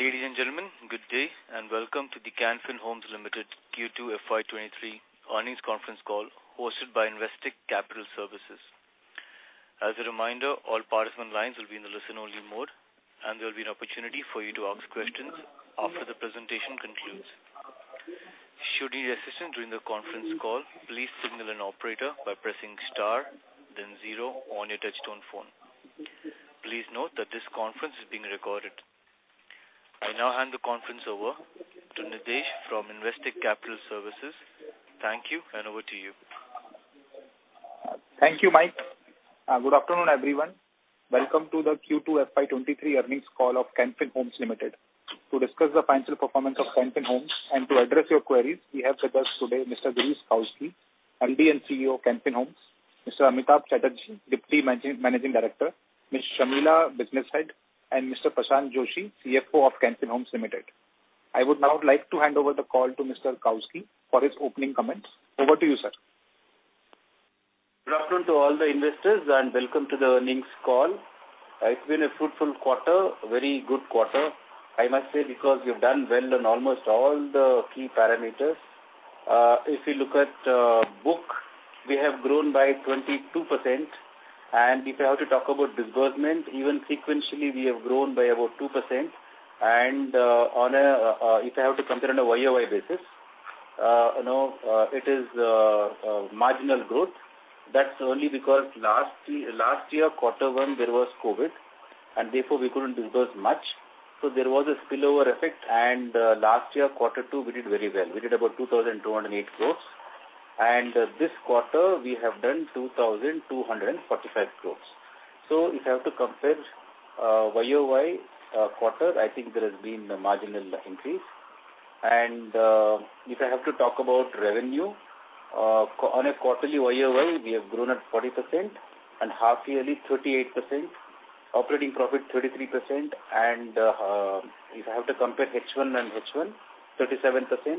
Ladies and gentlemen, good day and welcome to the Can Fin Homes Limited Q2 FY23 earnings conference call hosted by Investec Capital Services. As a reminder, all participant lines will be in the listen-only mode, and there will be an opportunity for you to ask questions after the presentation concludes. Should you need assistance during the conference call, please signal an operator by pressing star then zero on your touchtone phone. Please note that this conference is being recorded. I now hand the conference over to Nidhesh from Investec Capital Services. Thank you, and over to you. Thank you, Mike. Good afternoon, everyone. Welcome to the Q2 FY23 earnings call of Can Fin Homes Limited. To discuss the financial performance of Can Fin Homes and to address your queries, we have with us today Mr. Girish Kousgi, MD and CEO of Can Fin Homes, Mr. Amitabh Chatterjee, Deputy Managing Director, Ms. Shamila, Business Head, and Mr. Prashanth Joishy, CFO of Can Fin Homes Limited. I would now like to hand over the call to Mr. Kousgi for his opening comments. Over to you, sir. Good afternoon to all the investors, and welcome to the earnings call. It's been a fruitful quarter, a very good quarter, I must say, because we've done well on almost all the key parameters. If you look at book, we have grown by 22%. If I have to talk about disbursement, even sequentially, we have grown by about 2%. If I have to compare on a Y-o-Y basis, you know, it is marginal growth. That's only because last year, quarter one, there was COVID, and therefore we couldn't disburse much. There was a spillover effect. Last year, quarter two, we did very well. We did about 2,208 crores. This quarter we have done 2,245 crores. If I have to compare Y-o-Y quarter, I think there has been a marginal increase. If I have to talk about revenue, on a quarterly Y-o-Y, we have grown at 40% and half-yearly 38%, operating profit 33%. If I have to compare H1 and H1, 37%.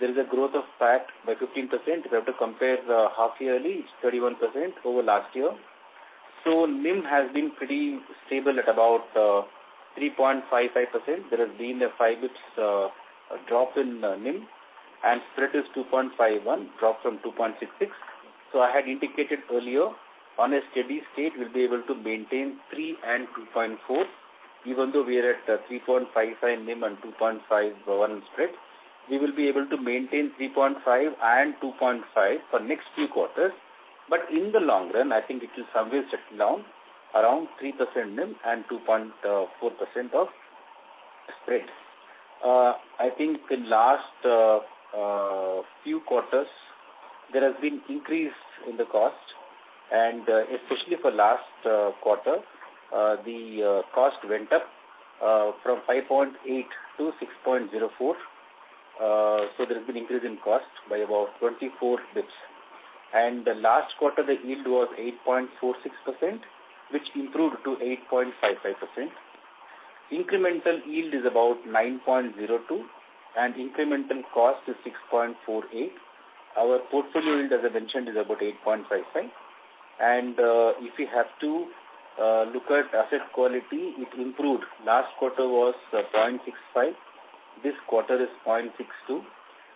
There is a growth of PAT by 15%. If I have to compare the half yearly, it's 31% over last year. NIM has been pretty stable at about 3.55%. There has been a five basis points drop in NIM, and spread is 2.51%, dropped from 2.66%. I had indicated earlier, on a steady state we'll be able to maintain 3% and 2.4%. Even though we are at 3.55% NIM and 2.51% spread, we will be able to maintain 3.5% and 2.5% for next few quarters. In the long run, I think it will somewhere settle down around 3% NIM and 2.4% spread. I think in last few quarters there has been increase in the cost, and especially for last quarter, the cost went up from 5.8% to 6.04%. So there has been increase in cost by about 24 basis points. The last quarter the yield was 8.46%, which improved to 8.55%. Incremental yield is about 9.02%, and incremental cost is 6.48%. Our portfolio yield, as I mentioned, is about 8.55%. If you have to look at asset quality, it improved. Last quarter was 0.65%. This quarter is 0.62%.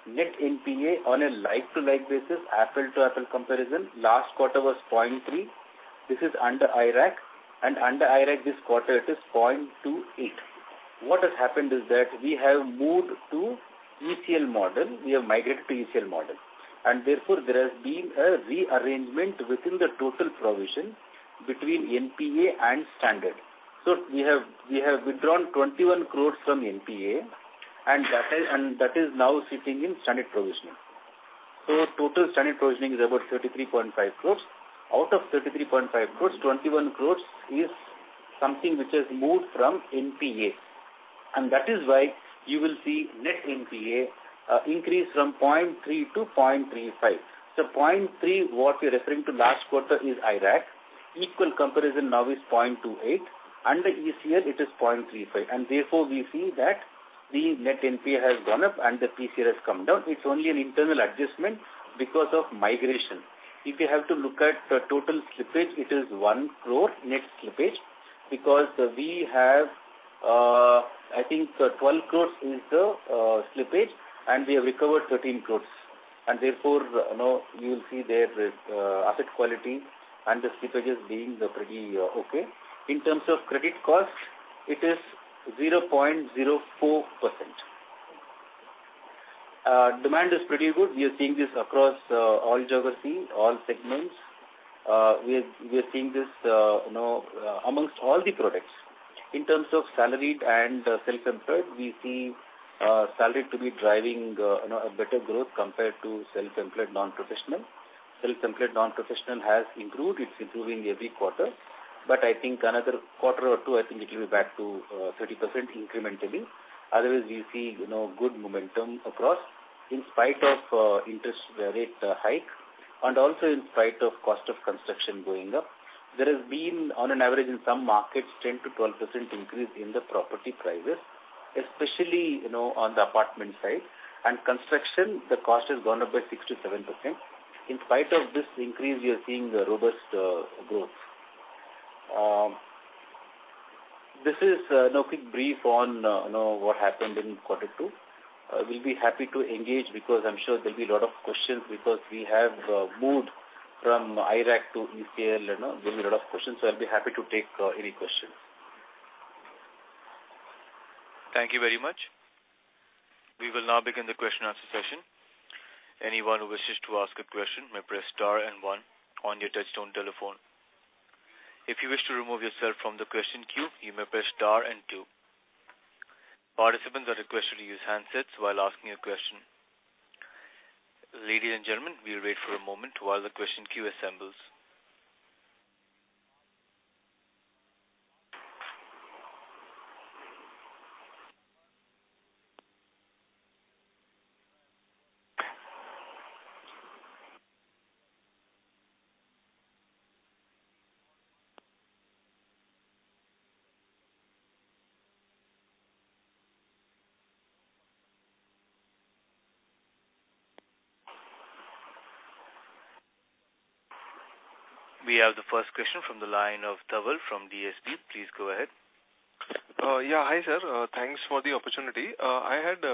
Net NPA on a like-for-like basis, apples-to-apples comparison, last quarter was 0.3%. This is under IRAC. Under IRAC this quarter it is 0.28%. What has happened is that we have moved to ECL model. We have migrated to ECL model, and therefore there has been a rearrangement within the total provision between NPA and standard. We have withdrawn 21 crore from NPA and that is now sitting in standard provisioning. Total standard provisioning is about 33.5 crore. Out of 33.5 crore, 21 crore is something which has moved from NPA, and that is why you will see net NPA increase from 0.3% to 0.35%. 0.3%, what we are referring to last quarter is IRAC. Equal comparison now is 0.28%. Under ECL it is 0.35%. We see that the net NPA has gone up and the PCR has come down. It's only an internal adjustment because of migration. If you have to look at the total slippage, it is 1 crore net slippage because we have, I think, 12 crore in the slippage and we have recovered 13 crore. You know, you'll see there the asset quality and the slippage is being pretty okay. In terms of credit cost, it is 0.04%. Demand is pretty good. We are seeing this across all geographies, all segments. We are seeing this, you know, among all the products. In terms of salaried and self-employed, we see salaried to be driving, you know, a better growth compared to self-employed non-professional. Self-employed non-professional has improved. It's improving every quarter. I think another quarter or two, I think it will be back to 30% incrementally. Otherwise we see, you know, good momentum across in spite of interest rate hike and also in spite of cost of construction going up. There has been on average in some markets 10%-12% increase in the property prices, especially, you know, on the apartment side. Construction, the cost has gone up by 6%-7%. In spite of this increase, we are seeing a robust growth. This is you know quick brief on you know what happened in quarter two. We'll be happy to engage because I'm sure there'll be a lot of questions because we have moved from IRAC to ECL, you know. There'll be a lot of questions, so I'll be happy to take any questions. Thank you very much. We will now begin the question and answer session. Anyone who wishes to ask a question may press star and one on your touchtone telephone. If you wish to remove yourself from the question queue, you may press star and two. Participants are requested to use handsets while asking a question. Ladies and gentlemen, we'll wait for a moment while the question queue assembles. We have the first question from the line of Dhaval from DSP. Please go ahead. Yeah. Hi, sir. Thanks for the opportunity. I had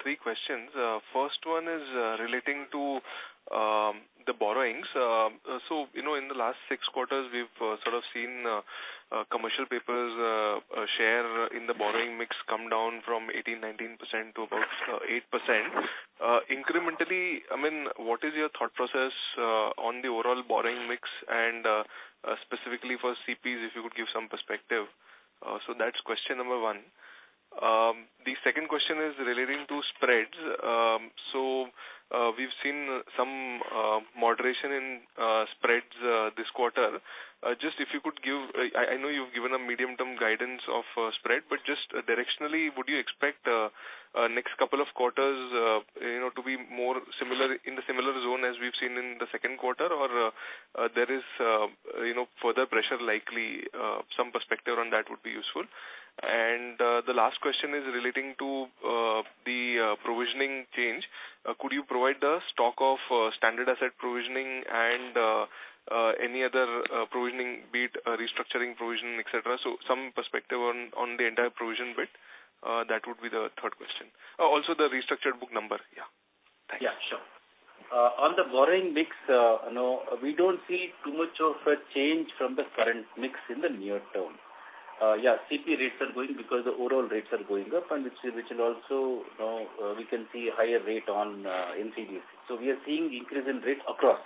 three questions. First one is relating to the borrowings. You know, in the last six quarters, we've sort of seen commercial papers share in the borrowing mix come down from 18%-19% to about 8%. Incrementally, I mean, what is your thought process on the overall borrowing mix and specifically for CPs, if you could give some perspective? That's question number one. The second question is relating to spreads. We've seen some moderation in spreads this quarter. Just if you could give... I know you've given a medium-term guidance of spread, but just directionally, would you expect next couple of quarters, you know, to be more similar, in the similar zone as we've seen in the second quarter? Or is there, you know, further pressure likely, some perspective on that would be useful. The last question is relating to the provisioning change. Could you provide the stock of standard asset provisioning and any other provisioning, be it restructuring provisioning, et cetera? So some perspective on the entire provision bit, that would be the third question. Oh, also the restructured book number. Yeah. Thanks. Yeah, sure. On the borrowing mix, you know, we don't see too much of a change from the current mix in the near term. Yeah, CP rates are going because the overall rates are going up, and which will also, you know, we can see higher rate on NCDs. So we are seeing increase in rates across,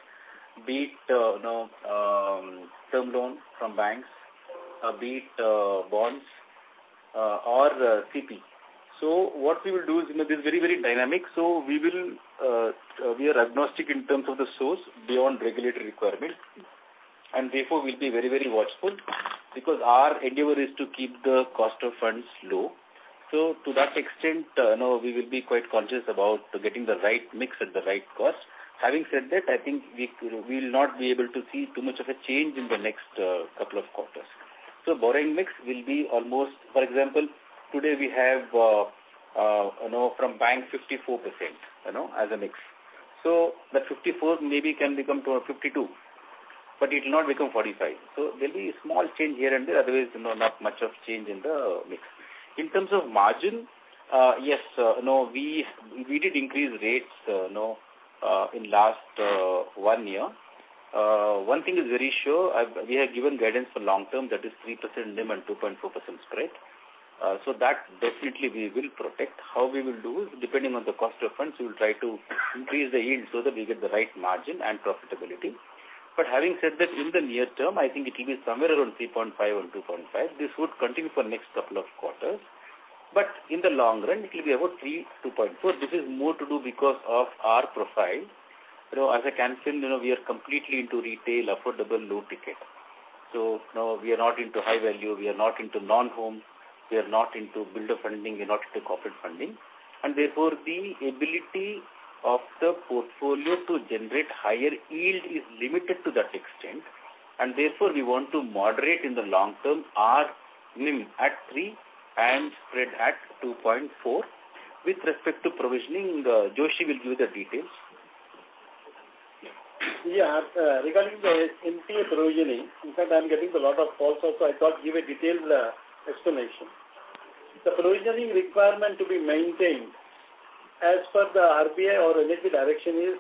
be it, you know, term loan from banks, be it, bonds, or CP. So what we will do is, you know, this is very, very dynamic, so we are agnostic in terms of the source beyond regulatory requirements. Therefore, we'll be very, very watchful because our endeavor is to keep the cost of funds low. To that extent, you know, we will be quite conscious about getting the right mix at the right cost. Having said that, I think we will not be able to see too much of a change in the next couple of quarters. Borrowing mix will be almost. For example, today we have, you know, from bank 54%, you know, as a mix. The 54% maybe can become to a 52%, but it'll not become 45%. There'll be a small change here and there. Otherwise, you know, not much of change in the mix. In terms of margin, yes, you know, we did increase rates, you know, in last one year. One thing is very sure. We have given guidance for long term, that is 3% NIM and 2.4% spread. So that definitely we will protect. How we will do is depending on the cost of funds, we will try to increase the yield so that we get the right margin and profitability. Having said that, in the near term, I think it will be somewhere around 3.5% or 2.5%. This would continue for next couple of quarters. In the long run it will be about 3%, 2.4%. This is more to do because of our profile. You know, as I can say, you know, we are completely into retail, affordable, low ticket. So, you know, we are not into high value. We are not into non-home. We are not into builder funding. We are not into corporate funding. And therefore, the ability of the portfolio to generate higher yield is limited to that extent. Therefore, we want to moderate in the long term our NIM at 3% and spread at 2.4%. With respect to provisioning, Joishy will give you the details. Yeah, regarding the NPA provisioning, in fact, I'm getting a lot of calls also. I thought give a detailed explanation. The provisioning requirement to be maintained as per the RBI or regulatory direction is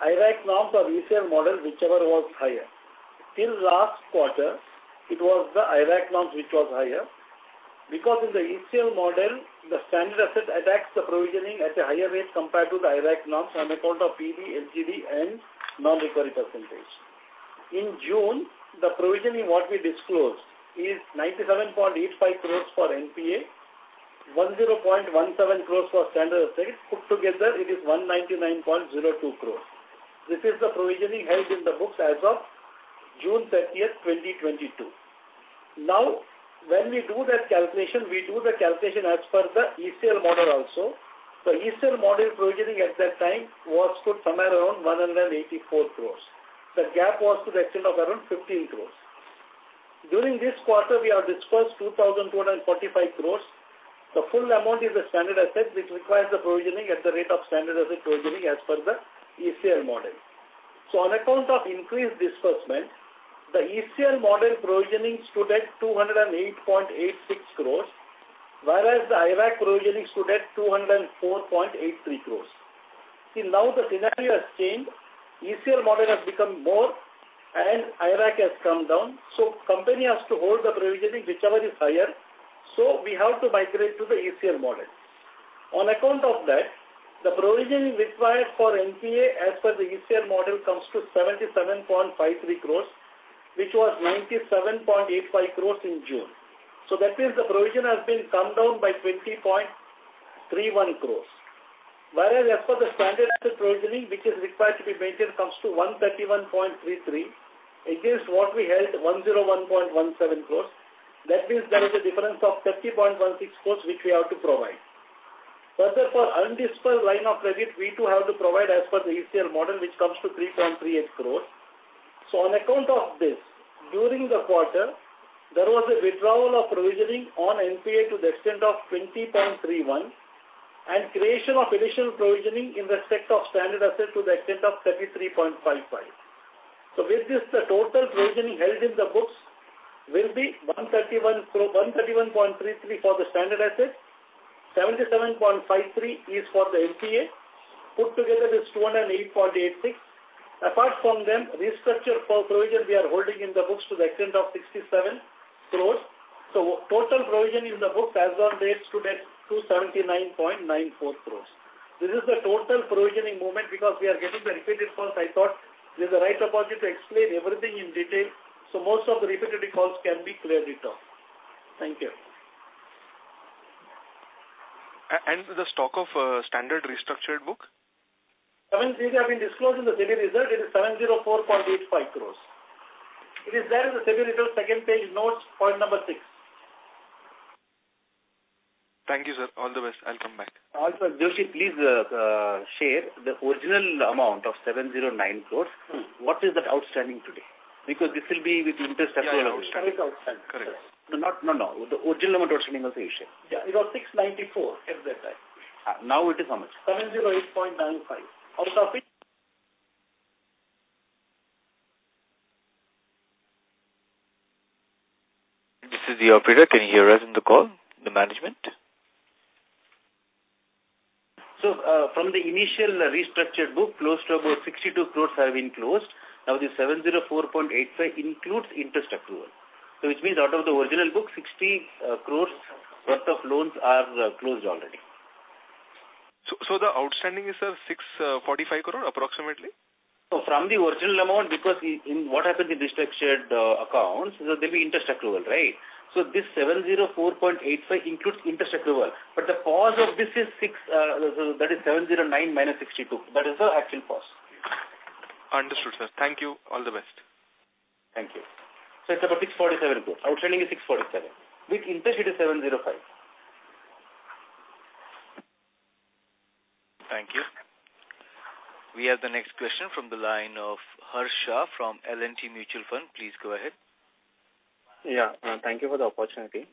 IRAC norms or ECL model, whichever was higher. Till last quarter, it was the IRAC norms which was higher. Because in the ECL model, the standard assets attract the provisioning at a higher rate compared to the IRAC norms on account of PD, LGD and non-recovery percentage. In June, the provisioning what we disclosed is 97.85 crore for NPA, 10.17 crore for standard assets. Put together, it is 199.02 crore. This is the provisioning held in the books as of June 30th, 2022. Now, when we do that calculation, we do the calculation as per the ECL model also. The ECL model provisioning at that time was put somewhere around 184 crore. The gap was to the extent of around 15 crore. During this quarter, we have disbursed 2,245 crore. The full amount is a standard asset which requires the provisioning at the rate of standard asset provisioning as per the ECL model. On account of increased disbursement, the ECL model provisioning stood at 208.86 crore, whereas the IRAC provisioning stood at 204.83 crore. See, now the scenario has changed. ECL model has become more and IRAC has come down. Company has to hold the provisioning whichever is higher. We have to migrate to the ECL model. On account of that, the provisioning required for NPA as per the ECL model comes to 77.53 crores, which was 97.85 crores in June. That means the provision has been come down by 20.31 crores. Whereas as per the standard asset provisioning, which is required to be maintained comes to 131.33 against what we held, 101.17 crores. That means there is a difference of 30.16 crores which we have to provide. Further, for undispersed line of credit, we too have to provide as per the ECL model, which comes to 3.38 crores. On account of this, during the quarter, there was a withdrawal of provisioning on NPA to the extent of 20.31 crore and creation of additional provisioning in respect of standard assets to the extent of 33.55 crore. With this, the total provisioning held in the books will be 131.33 crore for the standard assets, 77.53 crore is for the NPA. Put together is 208.86 crore. Apart from them, restructured provision we are holding in the books to the extent of 67 crore. Total provision in the books as on date stood at 279.94 crore. This is the total provisioning movement because we are getting the repeated calls. I thought this is the right opportunity to explain everything in detail. Most of the repetitive calls can be cleared it off. Thank you. The stock of standard restructured book? Seven, these have been disclosed in the daily result. It is 704.85 crore. It is there in the daily result second page notes, point number six. Thank you, sir. All the best. I'll come back. Also, Joshi, please, share the original amount of 709 crores. What is that outstanding today? Because this will be with interest as well as- Yeah. Outstanding. Correct. No, no. The original amount outstanding of the issue. Yeah. It was 694 at that time. Now it is how much? 708.95. Out of it. This is the operator. Can you hear us in the call, the management? From the initial restructured book, close to about 62 crore have been closed. Now, the 704.85 crore includes interest accrual. Which means out of the original book, 60 crore worth of loans are closed already. The outstanding is 645 crore approximately? From the original amount, because in what happens in restructured accounts, there'll be interest accrual, right? This 704.85 includes interest accrual. The cost of this is 6, that is 709 - 62. That is the actual cost. Understood, sir. Thank you. All the best. Thank you. It's about 647 crores. Outstanding is 647 crores. With interest, it is 705 crores. Thank you. We have the next question from the line of Harsh Shah from L&T Mutual Fund. Please go ahead. Yeah. Thank you for the opportunity.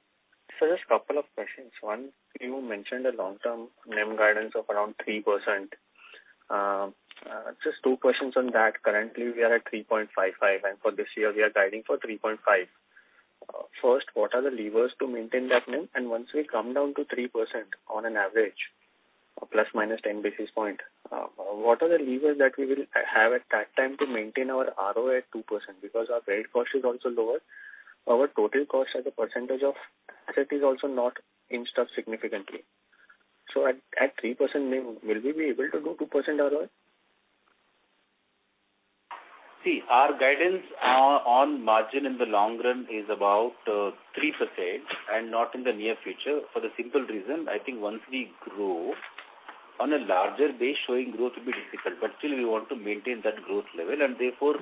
Just couple of questions. One, you mentioned the long-term NIM guidance of around 3%. Just two questions on that. Currently, we are at 3.55%, and for this year we are guiding for 3.5%. First, what are the levers to maintain that NIM? And once we come down to 3% on an average of ±10 basis points, what are the levers that we will have at that time to maintain our ROA at 2%? Because our rate cost is also lower. Our total cost as a percentage of asset is also not increased significantly. At 3% NIM, will we be able to do 2% ROA? See, our guidance on margin in the long run is about 3% and not in the near future for the simple reason, I think once we grow on a larger base, showing growth will be difficult. Still we want to maintain that growth level and therefore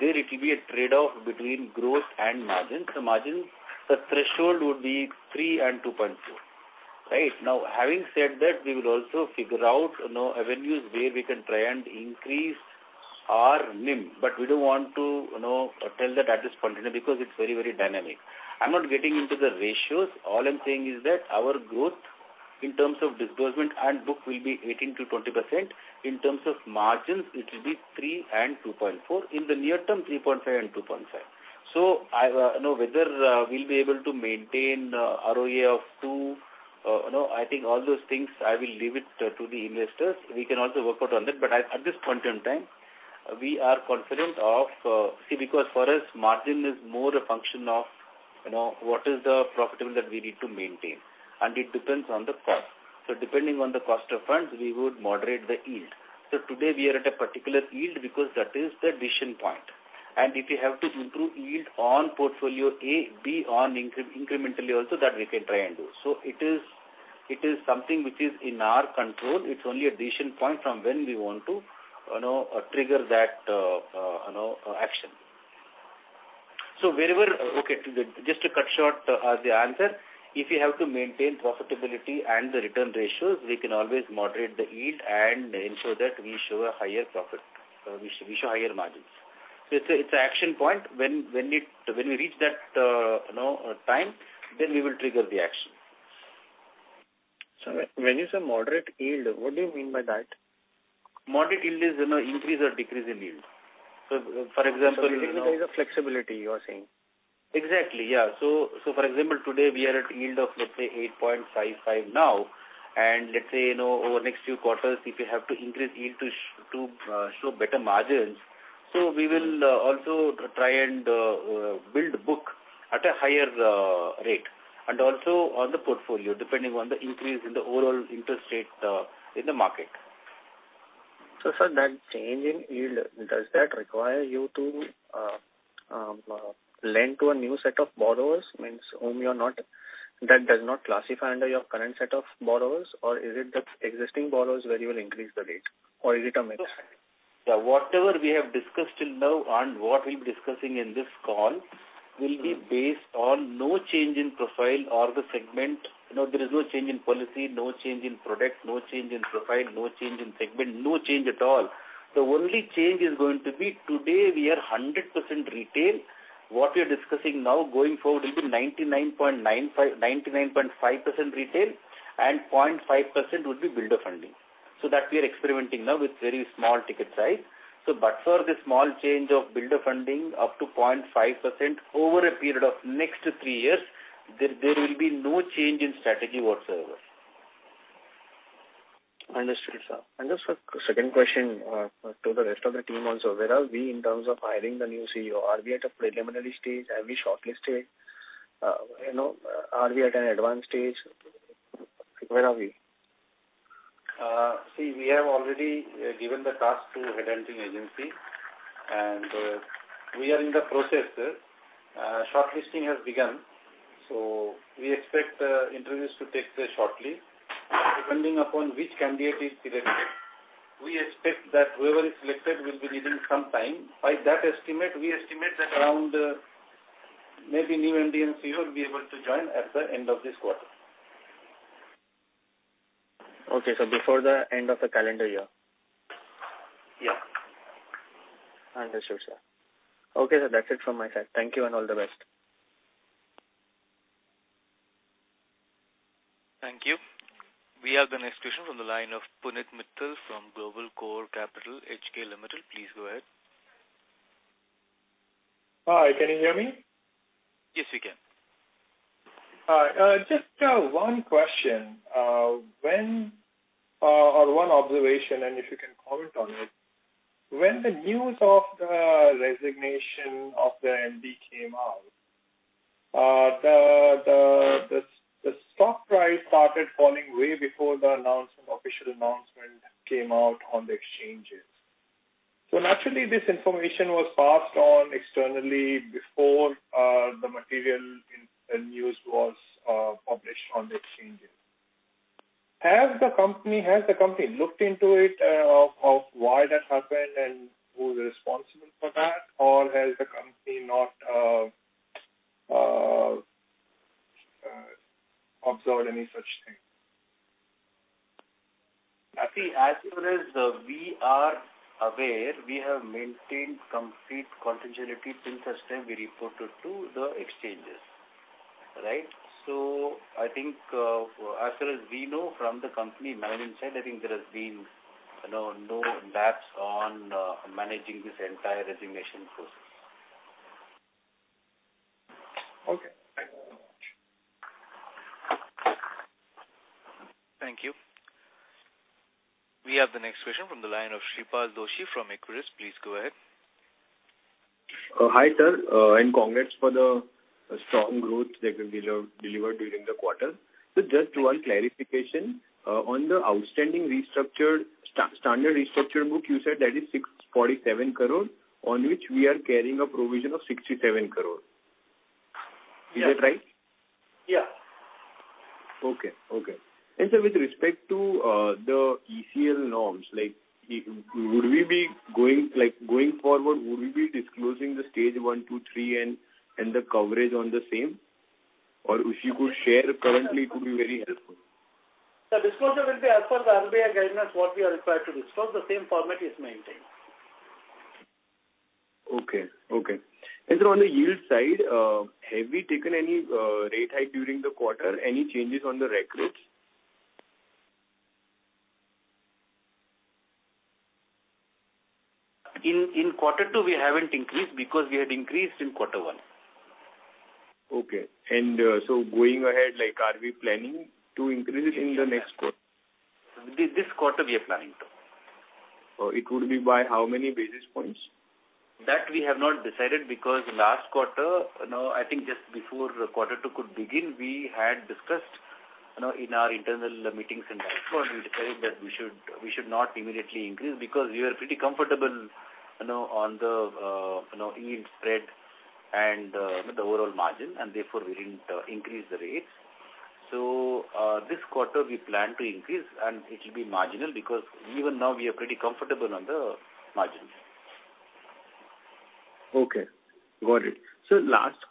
there it will be a trade-off between growth and margins. The margins, the threshold would be 3% and 2.2%. Right? Now, having said that, we will also figure out, you know, avenues where we can try and increase our NIM, but we don't want to, you know, tell that at this point in time because it's very, very dynamic. I'm not getting into the ratios. All I'm saying is that our growth in terms of disbursement and book will be 18%-20%. In terms of margins, it will be 3% and 2.4%. In the near term, 3.5% and 2.5%. I, you know, whether we'll be able to maintain ROA of 2%, you know, I think all those things I will leave it to the investors. We can also work out on that. At this point in time, we are confident. See, because for us margin is more a function of, you know, what is the profitability that we need to maintain, and it depends on the cost. Depending on the cost of funds, we would moderate the yield. Today we are at a particular yield because that is the decision point. If we have to improve yield on portfolio A, B incrementally also, that we can try and do. It is something which is in our control. It's only a decision point from when we want to, you know, trigger that, you know, action. Just to cut short the answer, if we have to maintain profitability and the return ratios, we can always moderate the yield and ensure that we show a higher profit, we show higher margins. It's an action point when we reach that, you know, time, then we will trigger the action. When you say moderate yield, what do you mean by that? Moderate yield is, you know, increase or decrease in yield. For example. There is a flexibility you are saying. Exactly, yeah. For example, today we are at yield of let's say 8.55% now. Let's say, you know, over next few quarters if you have to increase yield to show better margins. We will also try and build book at a higher rate and also on the portfolio, depending on the increase in the overall interest rate in the market. Sir, that change in yield, does that require you to lend to a new set of borrowers that does not classify under your current set of borrowers? Or is it the existing borrowers where you will increase the rate? Or is it a mix? Yeah. Whatever we have discussed till now and what we'll be discussing in this call will be based on no change in profile or the segment. You know, there is no change in policy, no change in product, no change in profile, no change in segment, no change at all. The only change is going to be today we are 100% retail. What we are discussing now going forward will be 99.95-99.5% retail and 0.5% would be builder funding. That we are experimenting now with very small ticket size. But for the small change of builder funding up to 0.5% over a period of next 3 years, there will be no change in strategy whatsoever. Understood, sir. Just a second question to the rest of the team also. Where are we in terms of hiring the new CEO? Are we at a preliminary stage? Have we shortlisted? You know, are we at an advanced stage? Where are we? See, we have already given the task to headhunting agency and we are in the process. Shortlisting has begun, so we expect interviews to take place shortly. Depending upon which candidate is selected, we expect that whoever is selected will be needing some time. By that estimate, we estimate that around, maybe new MD & CEO will be able to join at the end of this quarter. Okay. Before the end of the calendar year. Yeah. Understood, sir. Okay, sir. That's it from my side. Thank you and all the best. Thank you. We have the next question from the line of Punit Mittal from Global Core Capital HK Limited. Please go ahead. Hi, can you hear me? Yes, we can. All right. Just one question or one observation and if you can comment on it. When the news of the resignation of the MD came out, the stock price started falling way before the official announcement came out on the exchanges. Naturally this information was passed on externally before the material in the news was published on the exchanges. Has the company looked into it of why that happened and who is responsible for that? Or has the company not observed any such thing? I see. As far as we are aware, we have maintained complete confidentiality till such time we reported to the exchanges. Right? I think, as far as we know from the company management side, I think there has been, you know, no lapse on managing this entire resignation process. Okay. Thank you very much. Thank you. We have the next question from the line of Shreepal Doshi from Equirus. Please go ahead. Hi, sir. Congrats for the strong growth that you delivered during the quarter. Just one clarification. On the outstanding restructured standard restructure book, you said that is 647 crore on which we are carrying a provision of 67 crore. Is that right? Yeah. Okay. Sir, with respect to the ECL norms, like would we be going, like going forward, would we be disclosing the stage one, two, three and the coverage on the same? Or if you could share currently, it could be very helpful. The disclosure will be as per the RBI guidelines, what we are required to disclose. The same format is maintained. Sir, on the yield side, have we taken any rate hike during the quarter? Any changes on the repo rates? In quarter two we haven't increased because we had increased in quarter one. Okay. Going ahead like are we planning to increase it in the next quarter? This quarter we are planning to. It would be by how many basis points? That we have not decided because last quarter, you know, I think just before quarter two could begin, we had discussed, you know, in our internal meetings and that. We decided that we should not immediately increase because we are pretty comfortable, you know, on the, you know, yield spread and, with the overall margin and therefore we didn't increase the rates. This quarter we plan to increase and it will be marginal because even now we are pretty comfortable on the margins. Okay. Got it. Sir,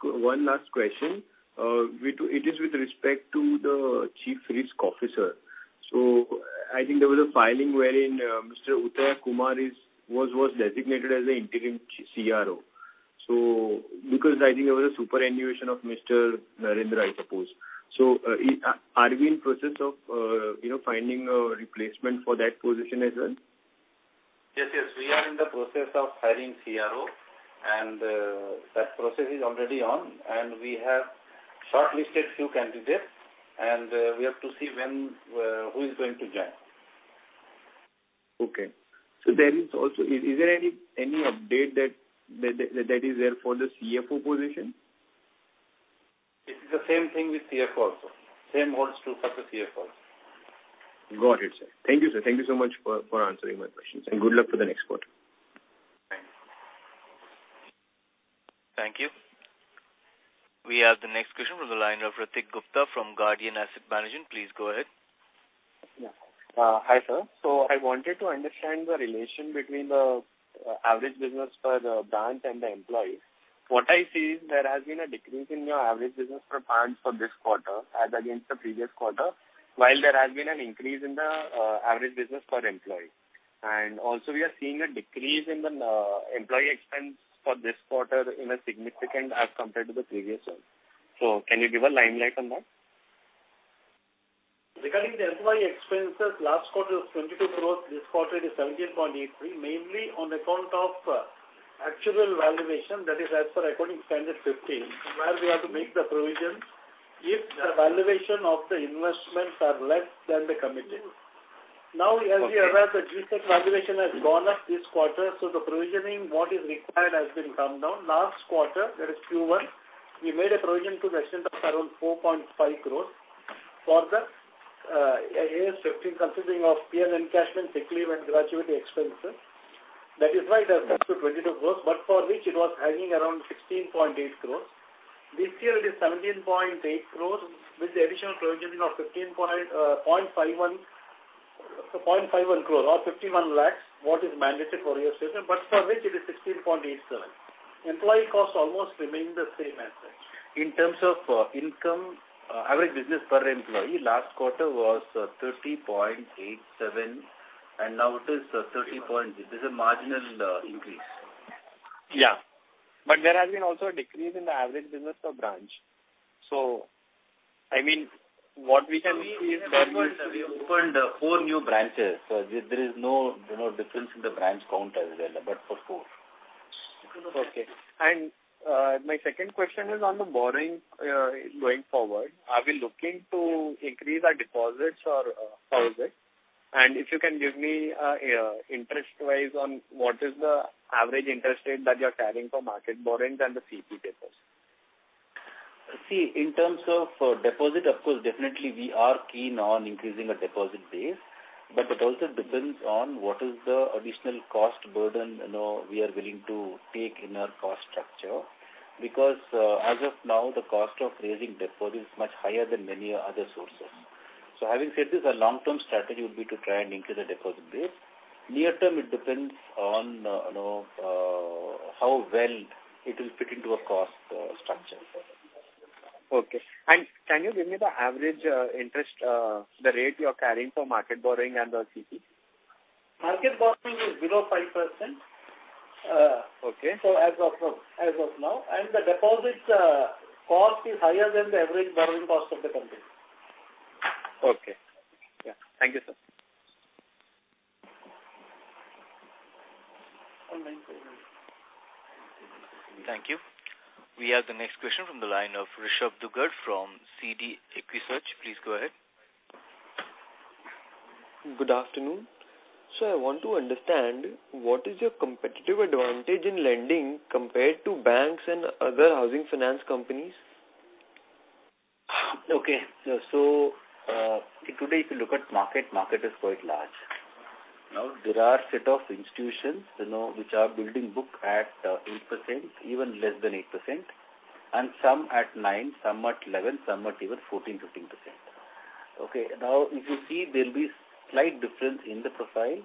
one last question. It is with respect to the Chief Risk Officer. I think there was a filing wherein Mr. Uthaya Kumar was designated as the interim CRO. Because I think there was a superannuation of Mr. Narendra, I suppose. Are we in process of finding a replacement for that position as well? Yes. We are in the process of hiring CRO and that process is already on, and we have shortlisted few candidates and we have to see when who is going to join. Is there any update that is there for the CFO position? It is the same thing with CFO also. Same holds true for the CFO. Got it, sir. Thank you, sir. Thank you so much for answering my questions and good luck for the next quarter. Thanks. Thank you. We have the next question from the line of Ratik Gupta from Guardian Asset Management. Please go ahead. Yeah. Hi, sir. I wanted to understand the relation between the average business per the branch and the employees. What I see is there has been a decrease in your average business per branch for this quarter as against the previous quarter, while there has been an increase in the average business per employee. We are seeing a decrease in the employee expense for this quarter in a significant as compared to the previous one. Can you give a limelight on that? Regarding the employee expenses, last quarter was 22 crore. This quarter is 17.83 crore, mainly on account of actual valuation, that is as per Accounting Standard 15, where we have to make the provisions if the valuation of the investments are less than the committed. Now, as you're aware, the G-Sec valuation has gone up this quarter, so the provisioning, what is required has been come down. Last quarter, that is Q1, we made a provision to the extent of around 4.5 crore for the AS 15 consisting of PL encashment, sick leave and gratuity expenses. That is why it has come to 22 crore, but for which it was hanging around 16.8 crore. This year it is 17.8 crore with the additional provisioning of 15.51 crore or 51 lakh, what is mandated for your statement, but for which it is 16.87 crore. Employee costs almost remain the same as such. In terms of income, average business per employee, last quarter was 30.87 and now it is 30.0. There's a marginal increase. Yeah. But there has been also a decrease in the average business per branch. I mean, what we can see is that. We opened 4 new branches. There is no, you know, difference in the branch count as well, but for 4. Okay, my second question is on the borrowing going forward. Are we looking to increase our deposits or how is it? If you can give me interest-wise on what is the average interest rate that you're carrying for market borrowings and the CP papers. See, in terms of deposit, of course, definitely we are keen on increasing our deposit base. But it also depends on what is the additional cost burden, you know, we are willing to take in our cost structure. Because, as of now, the cost of raising deposit is much higher than many other sources. So having said this, our long-term strategy would be to try and increase the deposit base. Near term, it depends on, you know, how well it will fit into our cost structure. Okay. Can you give me the average interest rate you're carrying for market borrowing and the CP? Market borrowing is below 5%. Okay. As of now, the deposits cost is higher than the average borrowing cost of the company. Okay. Yeah. Thank you, sir. Thank you. We have the next question from the line of Rishabh Dugar from CD EquiSearch. Please go ahead. Good afternoon. I want to understand what is your competitive advantage in lending compared to banks and other housing finance companies? Okay. Today if you look at market is quite large. Now, there are set of institutions, you know, which are building book at 8%, even less than 8%, and some at 9%, some at 11%, some at even 14, 15%. Okay. Now, if you see, there'll be slight difference in the profile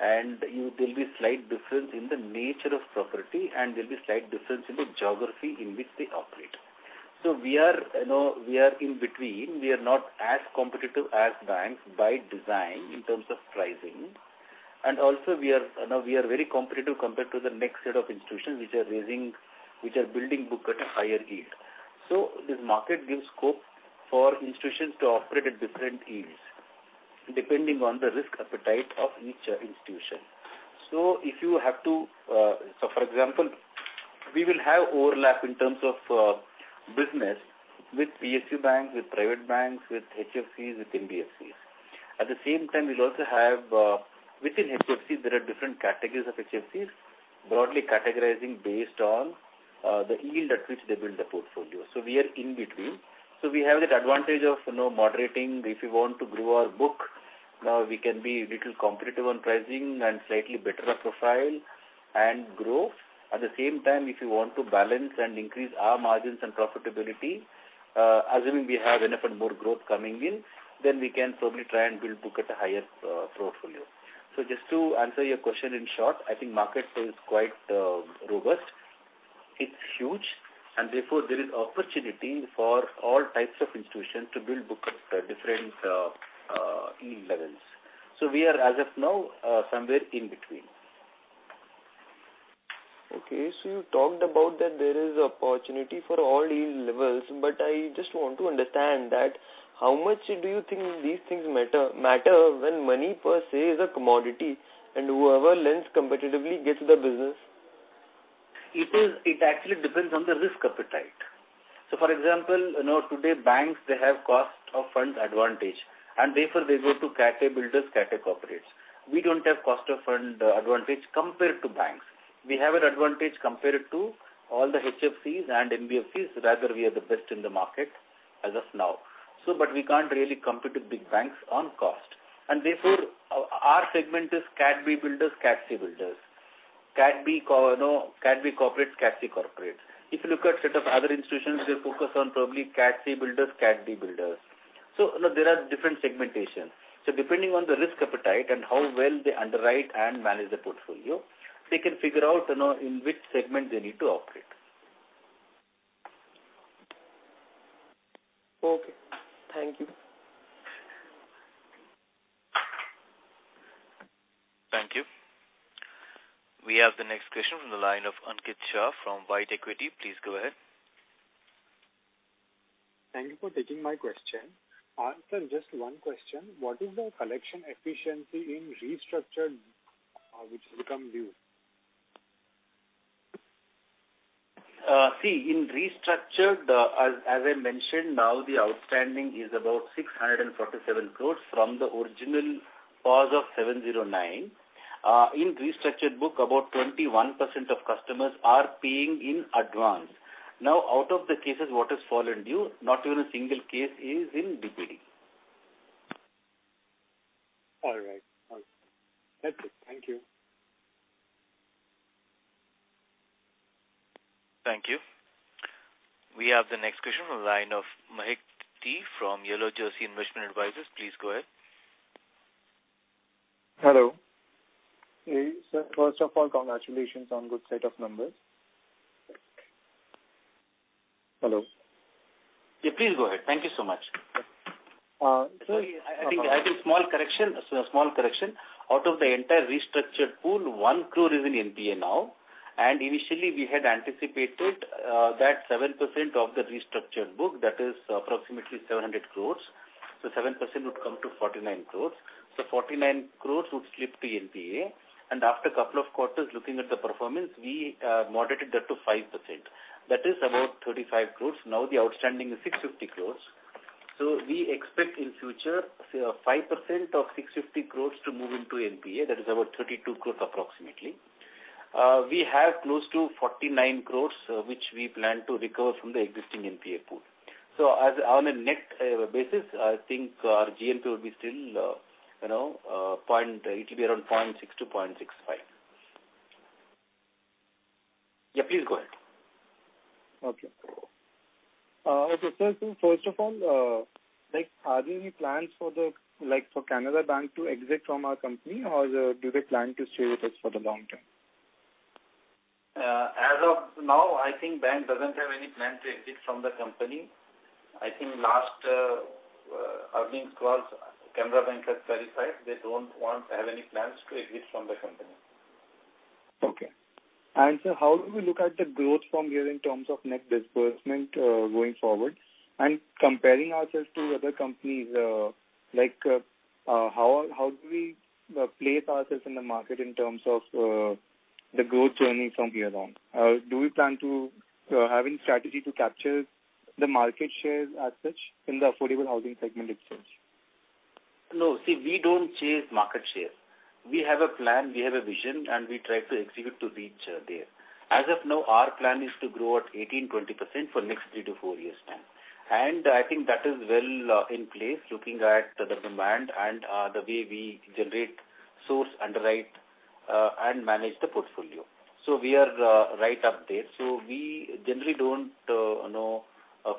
and there'll be slight difference in the nature of property and there'll be slight difference in the geography in which they operate. We are, you know, we are in between. We are not as competitive as banks by design in terms of pricing. Also we are, you know, we are very competitive compared to the next set of institutions which are raising, which are building book at a higher yield. This market gives scope for institutions to operate at different yields depending on the risk appetite of each, institution. For example, we will have overlap in terms of, business with PSU banks, with private banks, with HFCs, with NBFCs. At the same time, we'll also have, within HFCs there are different categories of HFCs, broadly categorizing based on, the yield at which they build the portfolio. We are in between. We have that advantage of, you know, moderating. If we want to grow our book, now we can be a little competitive on pricing and slightly better our profile and grow. At the same time, if we want to balance and increase our margins and profitability, assuming we have enough and more growth coming in, then we can probably try and build book at a higher portfolio. Just to answer your question in short, I think market is quite robust. It's huge and therefore there is opportunity for all types of institutions to build book at different yield levels. We are as of now somewhere in between. Okay. You talked about that there is opportunity for all yield levels, but I just want to understand that how much do you think these things matter when money per se is a commodity and whoever lends competitively gets the business? It actually depends on the risk appetite. For example, you know, today banks they have cost of funds advantage and therefore they go to Cat A builders, Cat A corporates. We don't have cost of fund advantage compared to banks. We have an advantage compared to all the HFCs and NBFCs, rather we are the best in the market as of now. But we can't really compete with big banks on cost. Therefore our segment is Cat B builders, Cat C builders. You know, Cat B corporates, Cat C corporates. If you look at set of other institutions, they focus on probably Cat C builders, Cat D builders. You know, there are different segmentations. depending on the risk appetite and how well they underwrite and manage the portfolio, they can figure out, you know, in which segment they need to operate. Okay. Thank you. Thank you. We have the next question from the line of Ankit Shah from White Equity. Please go ahead. Thank you for taking my question. Sir, just one question. What is the collection efficiency in restructured which has become due? See, in restructured, as I mentioned, now the outstanding is about 647 crore from the original pool of 709 crore. In restructured book, about 21% of customers are paying in advance. Now, out of the cases what has fallen due, not even a single case is in DPD. All right. That's it. Thank you. Thank you. We have the next question on the line of Mahek T. from Yellow Jersey Investment Advisors. Please go ahead. Hello. Hey, sir, first of all, congratulations on good set of numbers. Hello? Yeah, please go ahead. Thank you so much. Uh, so- I think small correction. Out of the entire restructured pool, 1 crore is in NPA now. Initially we had anticipated that 7% of the restructured book that is approximately 700 crores. Seven percent would come to 49 crores. 49 crores would slip to NPA. After a couple of quarters looking at the performance, we moderated that to 5%. That is about 35 crores. Now the outstanding is 650 crores. We expect in future 5% of 650 crores to move into NPA. That is about 32 crores approximately. We have close to 49 crores, which we plan to recover from the existing NPA pool. As on a net basis, I think our GNPA will be still, you know, point, it will be around 0.6%-0.65%. Yeah, please go ahead. Okay. First of all, like are there any plans for the, like for Canara Bank to exit from our company or do they plan to stay with us for the long term? As of now, I think bank doesn't have any plan to exit from the company. I think last earnings calls Canara Bank has clarified they don't want to have any plans to exit from the company. Okay. Sir, how do we look at the growth from here in terms of net disbursement, going forward? Comparing ourselves to other companies, like, how do we place ourselves in the market in terms of the growth journey from here on? Do we plan to have any strategy to capture the market shares as such in the affordable housing segment itself? No. See, we don't chase market share. We have a plan, we have a vision, and we try to execute to reach there. As of now, our plan is to grow at 18%-20% for next 3-4 years time. I think that is well in place looking at the demand and the way we generate source, underwrite, and manage the portfolio. We are right up there. We generally don't you know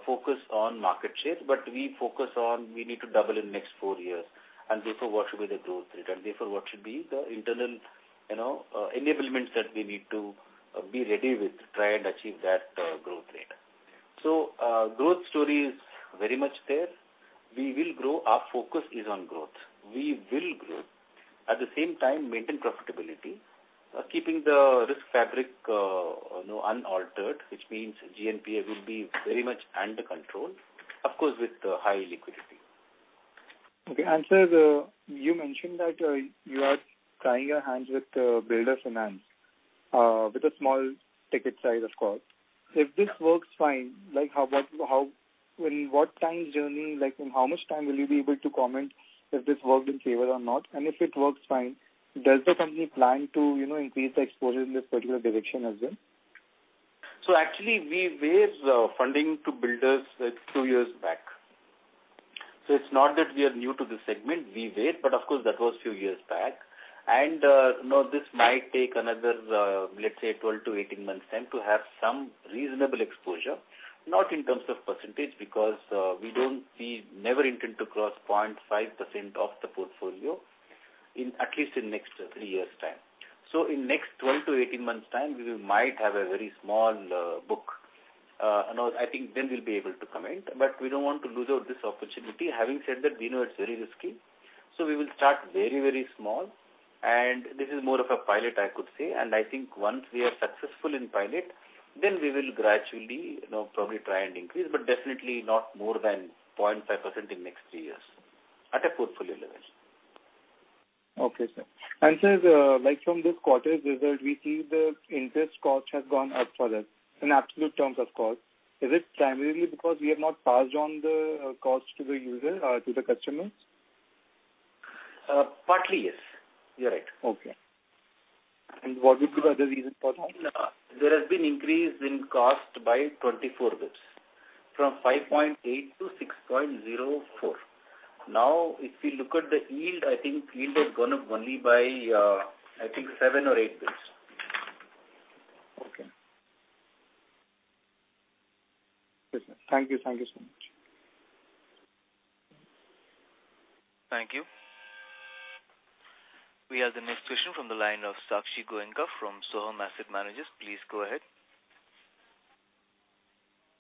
focus on market share, but we focus on we need to double in next 4 years and therefore what should be the growth rate and therefore what should be the internal you know enablements that we need to be ready with to try and achieve that growth rate. Growth story is very much there. We will grow. Our focus is on growth. We will grow. At the same time, maintain profitability, keeping the risk fabric, you know, unaltered, which means GNPA will be very much under control, of course, with high liquidity. Okay. Sir, you mentioned that you are trying your hands with builder finance with a small ticket size of course. If this works fine, like how in what timeframe, like in how much time will you be able to comment if this worked in favor or not? If it works fine, does the company plan to, you know, increase the exposure in this particular direction as well? Actually we have funding to builders 2 years back. It's not that we are new to this segment. We have, but of course that was a few years back. You know, this might take another, let's say 12-18 months time to have some reasonable exposure, not in terms of percentage because we never intend to cross 0.5% of the portfolio in at least the next 3 years' time. In next 12-18 months' time, we might have a very small book. You know, I think then we'll be able to comment. We don't want to lose out this opportunity. Having said that, we know it's very risky, so we will start very, very small. This is more of a pilot, I could say. I think once we are successful in pilot, then we will gradually, you know, probably try and increase, but definitely not more than 0.5% in next three years at a portfolio level. Okay, sir. Sir, like from this quarter's result, we see the interest cost has gone up for that in absolute terms, of course. Is it primarily because we have not passed on the cost to the user or to the customers? Partly yes. You're right. Okay. What would be the other reason for that? There has been increase in cost by 24 bps, from 5.8 to 6.04. Now if we look at the yield, I think yield has gone up only by, I think 7 bps or 8 bps. Okay. Yes, thank you. Thank you so much. Thank you. We have the next question from the line of Sakshi Goenka from Sohum Asset Managers. Please go ahead.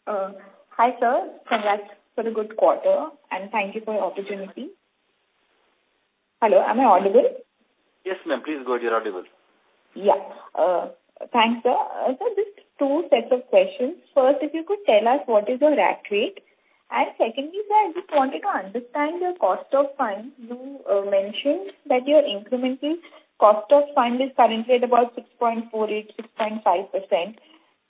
Hi, sir. Congrats for the good quarter, and thank you for the opportunity. Hello, am I audible? Yes, ma'am. Please go ahead. You're audible. Yeah. Thanks, sir. Sir, just two sets of questions. First, if you could tell us what is your rack rate? Secondly, sir, I just wanted to understand your cost of funds. You mentioned that your incremental cost of fund is currently at about 6.48%-6.5%.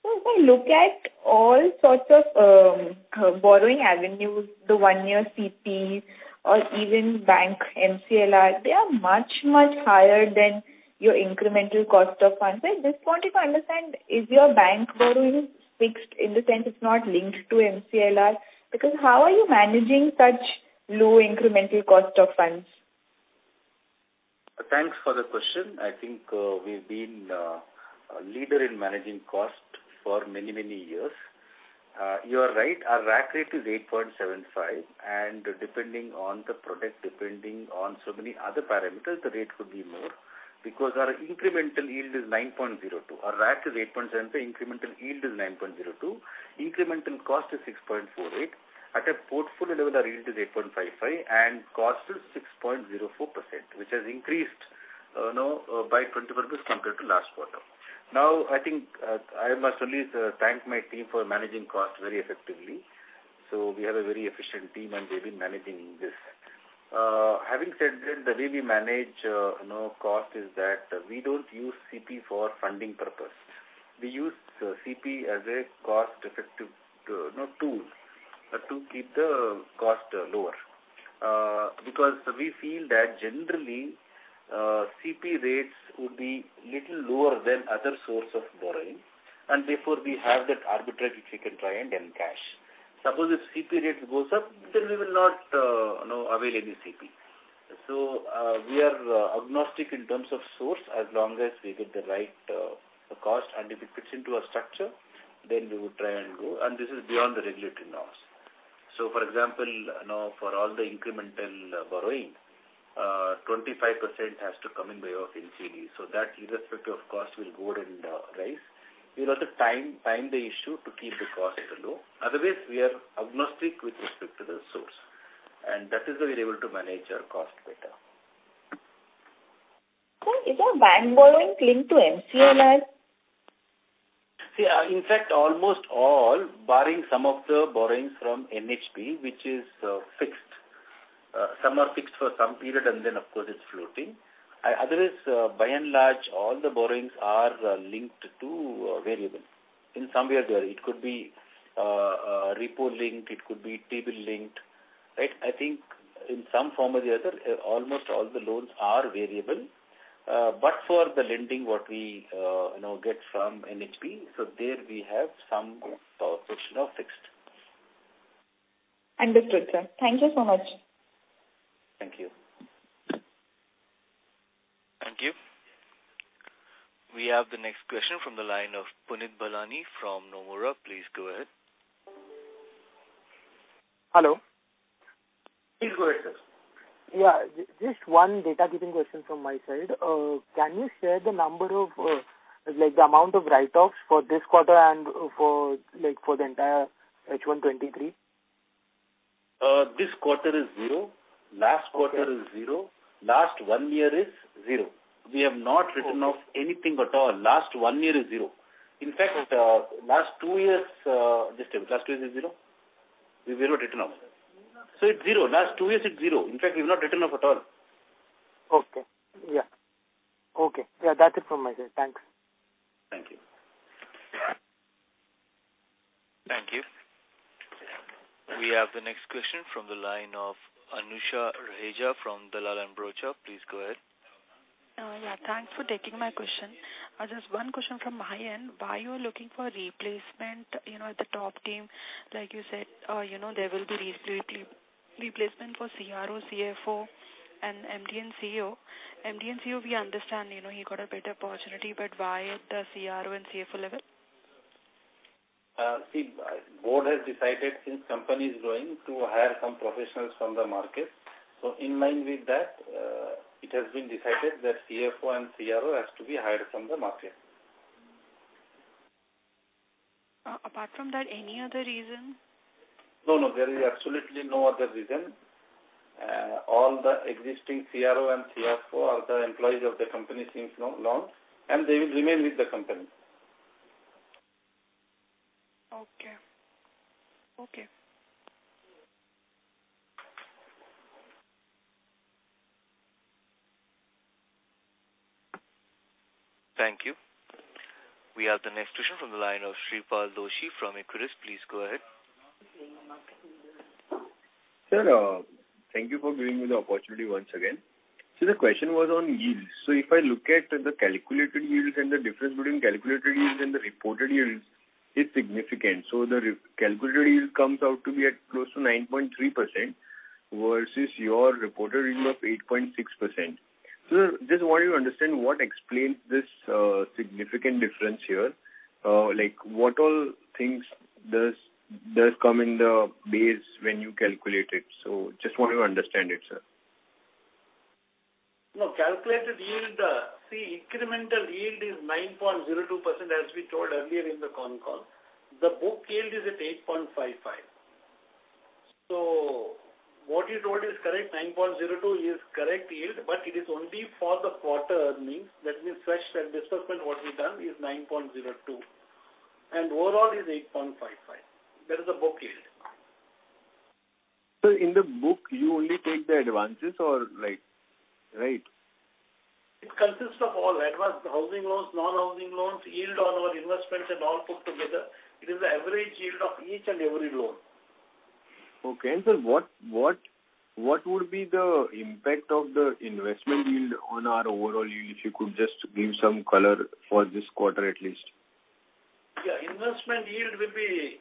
So if I look at all sorts of borrowing avenues, the one-year CPs or even bank MCLR, they are much, much higher than your incremental cost of funds. I just wanted to understand, is your bank borrowing fixed in the sense it's not linked to MCLR? Because how are you managing such low incremental cost of funds? Thanks for the question. I think, we've been, a leader in managing cost for many, many years. You are right. Our rack rate is 8.75%. Depending on the product, depending on so many other parameters, the rate could be more because our incremental yield is 9.02%. Our rack is 8.7%, so incremental yield is 9.02%. Incremental cost is 6.48%. At a portfolio level, our yield is 8.55% and cost is 6.04%, which has increased, you know, by 20 basis points compared to last quarter. Now, I think, I must really, thank my team for managing cost very effectively. We have a very efficient team, and they've been managing this. Having said that, the way we manage, you know, cost is that we don't use CP for funding purpose. We use CP as a cost-effective, you know, tool to keep the cost lower. Because we feel that generally, CP rates would be little lower than other source of borrowing, and therefore we have that arbitrage which we can try and earn cash. Suppose if CP rates goes up, then we will not, you know, avail any CP. We are agnostic in terms of source as long as we get the right, cost and if it fits into our structure, then we would try and go. This is beyond the regulatory norms. For example, you know, for all the incremental borrowing, 25% has to come in way of NCD. That irrespective of cost, we'll go ahead and raise. We'll have to time the issue to keep the cost low. Otherwise, we are agnostic with respect to the source, and that is how we're able to manage our cost better. Sir, is your bank borrowing linked to MCLR? See, in fact, almost all barring some of the borrowings from NHB, which is fixed. Some are fixed for some period and then of course it's floating. Otherwise, by and large, all the borrowings are linked to variable. In some way or the other. It could be repo linked, it could be T-bill linked, right? I think in some form or the other, almost all the loans are variable. But for the lending what we, you know, get from NHB, so there we have some portion of fixed. Understood, sir. Thank you so much. Thank you. Thank you. We have the next question from the line of Punit Bahlani from Nomura. Please go ahead. Hello. Please go ahead, sir. Yeah. Just one housekeeping question from my side. Can you share the number of, like the amount of write-offs for this quarter and for, like, for the entire H1 2023? This quarter is zero. Okay. Last quarter is zero. Last one year is zero. We have not written off anything at all. Last one year is zero. In fact, last two years. Just a minute. Last two years is zero? We've zero written off. So it's zero. Last two years, it's zero. In fact, we've not written off at all. Okay. Yeah. Okay. Yeah, that's it from my side. Thanks. Thank you. Thank you. We have the next question from the line of Anusha Raheja from Dalal & Broacha. Please go ahead. Yeah, thanks for taking my question. Just one question from my end. Why you're looking for replacement, you know, at the top team? Like you said, you know, there will be replacement for CRO, CFO and MD & CEO. MD & CEO, we understand, you know, he got a better opportunity. But why at the CRO and CFO level? Board has decided since company is growing to hire some professionals from the market. In line with that, it has been decided that CFO and CRO has to be hired from the market. Apart from that, any other reason? No, no. There is absolutely no other reason. All the existing CRO and CFO are the employees of the company since launch, and they will remain with the company. Okay. Okay. Thank you. We have the next question from the line of Shreepal Doshi from Equirus. Please go ahead. Sir, thank you for giving me the opportunity once again. The question was on yields. If I look at the calculated yields and the difference between calculated yields and the reported yields is significant. The re-calculated yield comes out to be at close to 9.3% versus your reported yield of 8.6%. Just want to understand what explains this, significant difference here. Like, what all things does come in the base when you calculate it? Just want to understand it, sir. No, calculated yield, see, incremental yield is 9.02%, as we told earlier in the con call. The book yield is at 8.55%. What you told is correct, 9.02% is correct yield, but it is only for the quarter earnings. That means fresh disbursement what we've done is 9.02%, and overall is 8.55%. That is the book yield. In the book you only take the advances or like, right? It consists of all advances, housing loans, non-housing loans, yield on our investments and all put together. It is the average yield of each and every loan. Okay. Sir, what would be the impact of the investment yield on our overall yield? If you could just give some color for this quarter, at least. Yeah. Investment yield will be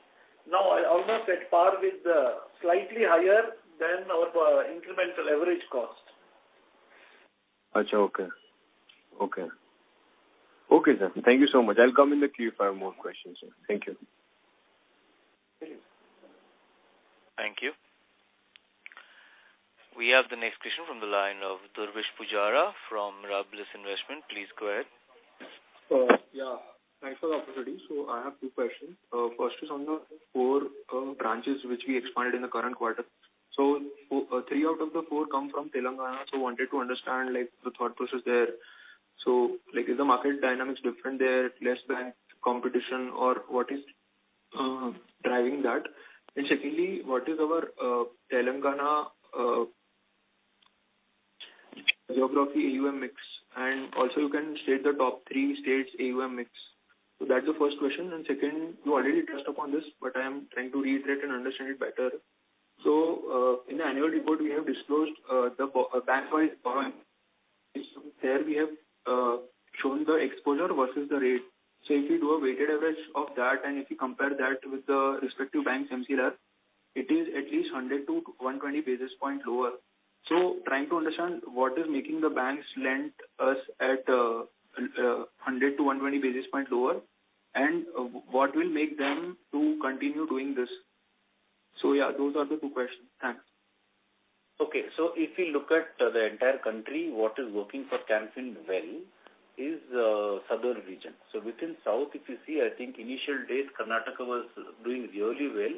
now almost at par with the slightly higher than our incremental average cost. Okay, sir. Thank you so much. I'll come in the queue if I have more questions. Thank you. Thank you. We have the next question from the line of Dhruvish Pujara from Mirabilis Investment. Please go ahead. Yeah, thanks for the opportunity. I have two questions. First is on the 4 branches which we expanded in the current quarter. 3 out of the 4 come from Telangana. Wanted to understand, like, the thought process there. Like, is the market dynamics different there? Less bank competition or what is driving that? And secondly, what is our Telangana geography AUM mix? And also you can state the top 3 states AUM mix. That's the first question. Second, you already touched upon this, but I am trying to reiterate and understand it better. In the annual report, we have disclosed the bankwise borrowing. There we have shown the exposure versus the rate. If you do a weighted average of that, and if you compare that with the respective bank's MCLR, it is at least 100-120 basis points lower. Trying to understand what is making the banks lend us at 100-120 basis points lower and what will make them to continue doing this. Yeah, those are the two questions. Thanks. Okay. If you look at the entire country, what is working for Can Fin Homes well is southern region. Within south, if you see, I think initial days Karnataka was doing really well.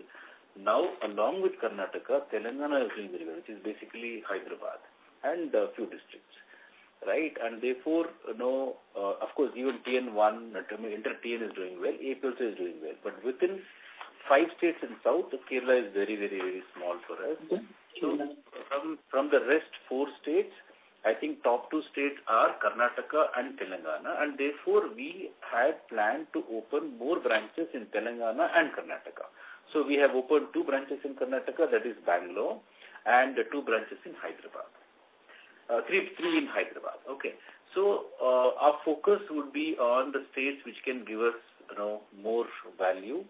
Now along with Karnataka, Telangana is doing very well, which is basically Hyderabad and a few districts, right? Therefore, you know, of course even TN1, inter-TN is doing well. AP also is doing well. Within five states in south, Kerala is very, very, very small for us. Mm-hmm. From the rest 4 states, I think top 2 states are Karnataka and Telangana. Therefore, we had planned to open more branches in Telangana and Karnataka. We have opened 2 branches in Karnataka, that is Bangalore, and 2 branches in Hyderabad. Three in Hyderabad. Our focus would be on the states which can give us, you know, more value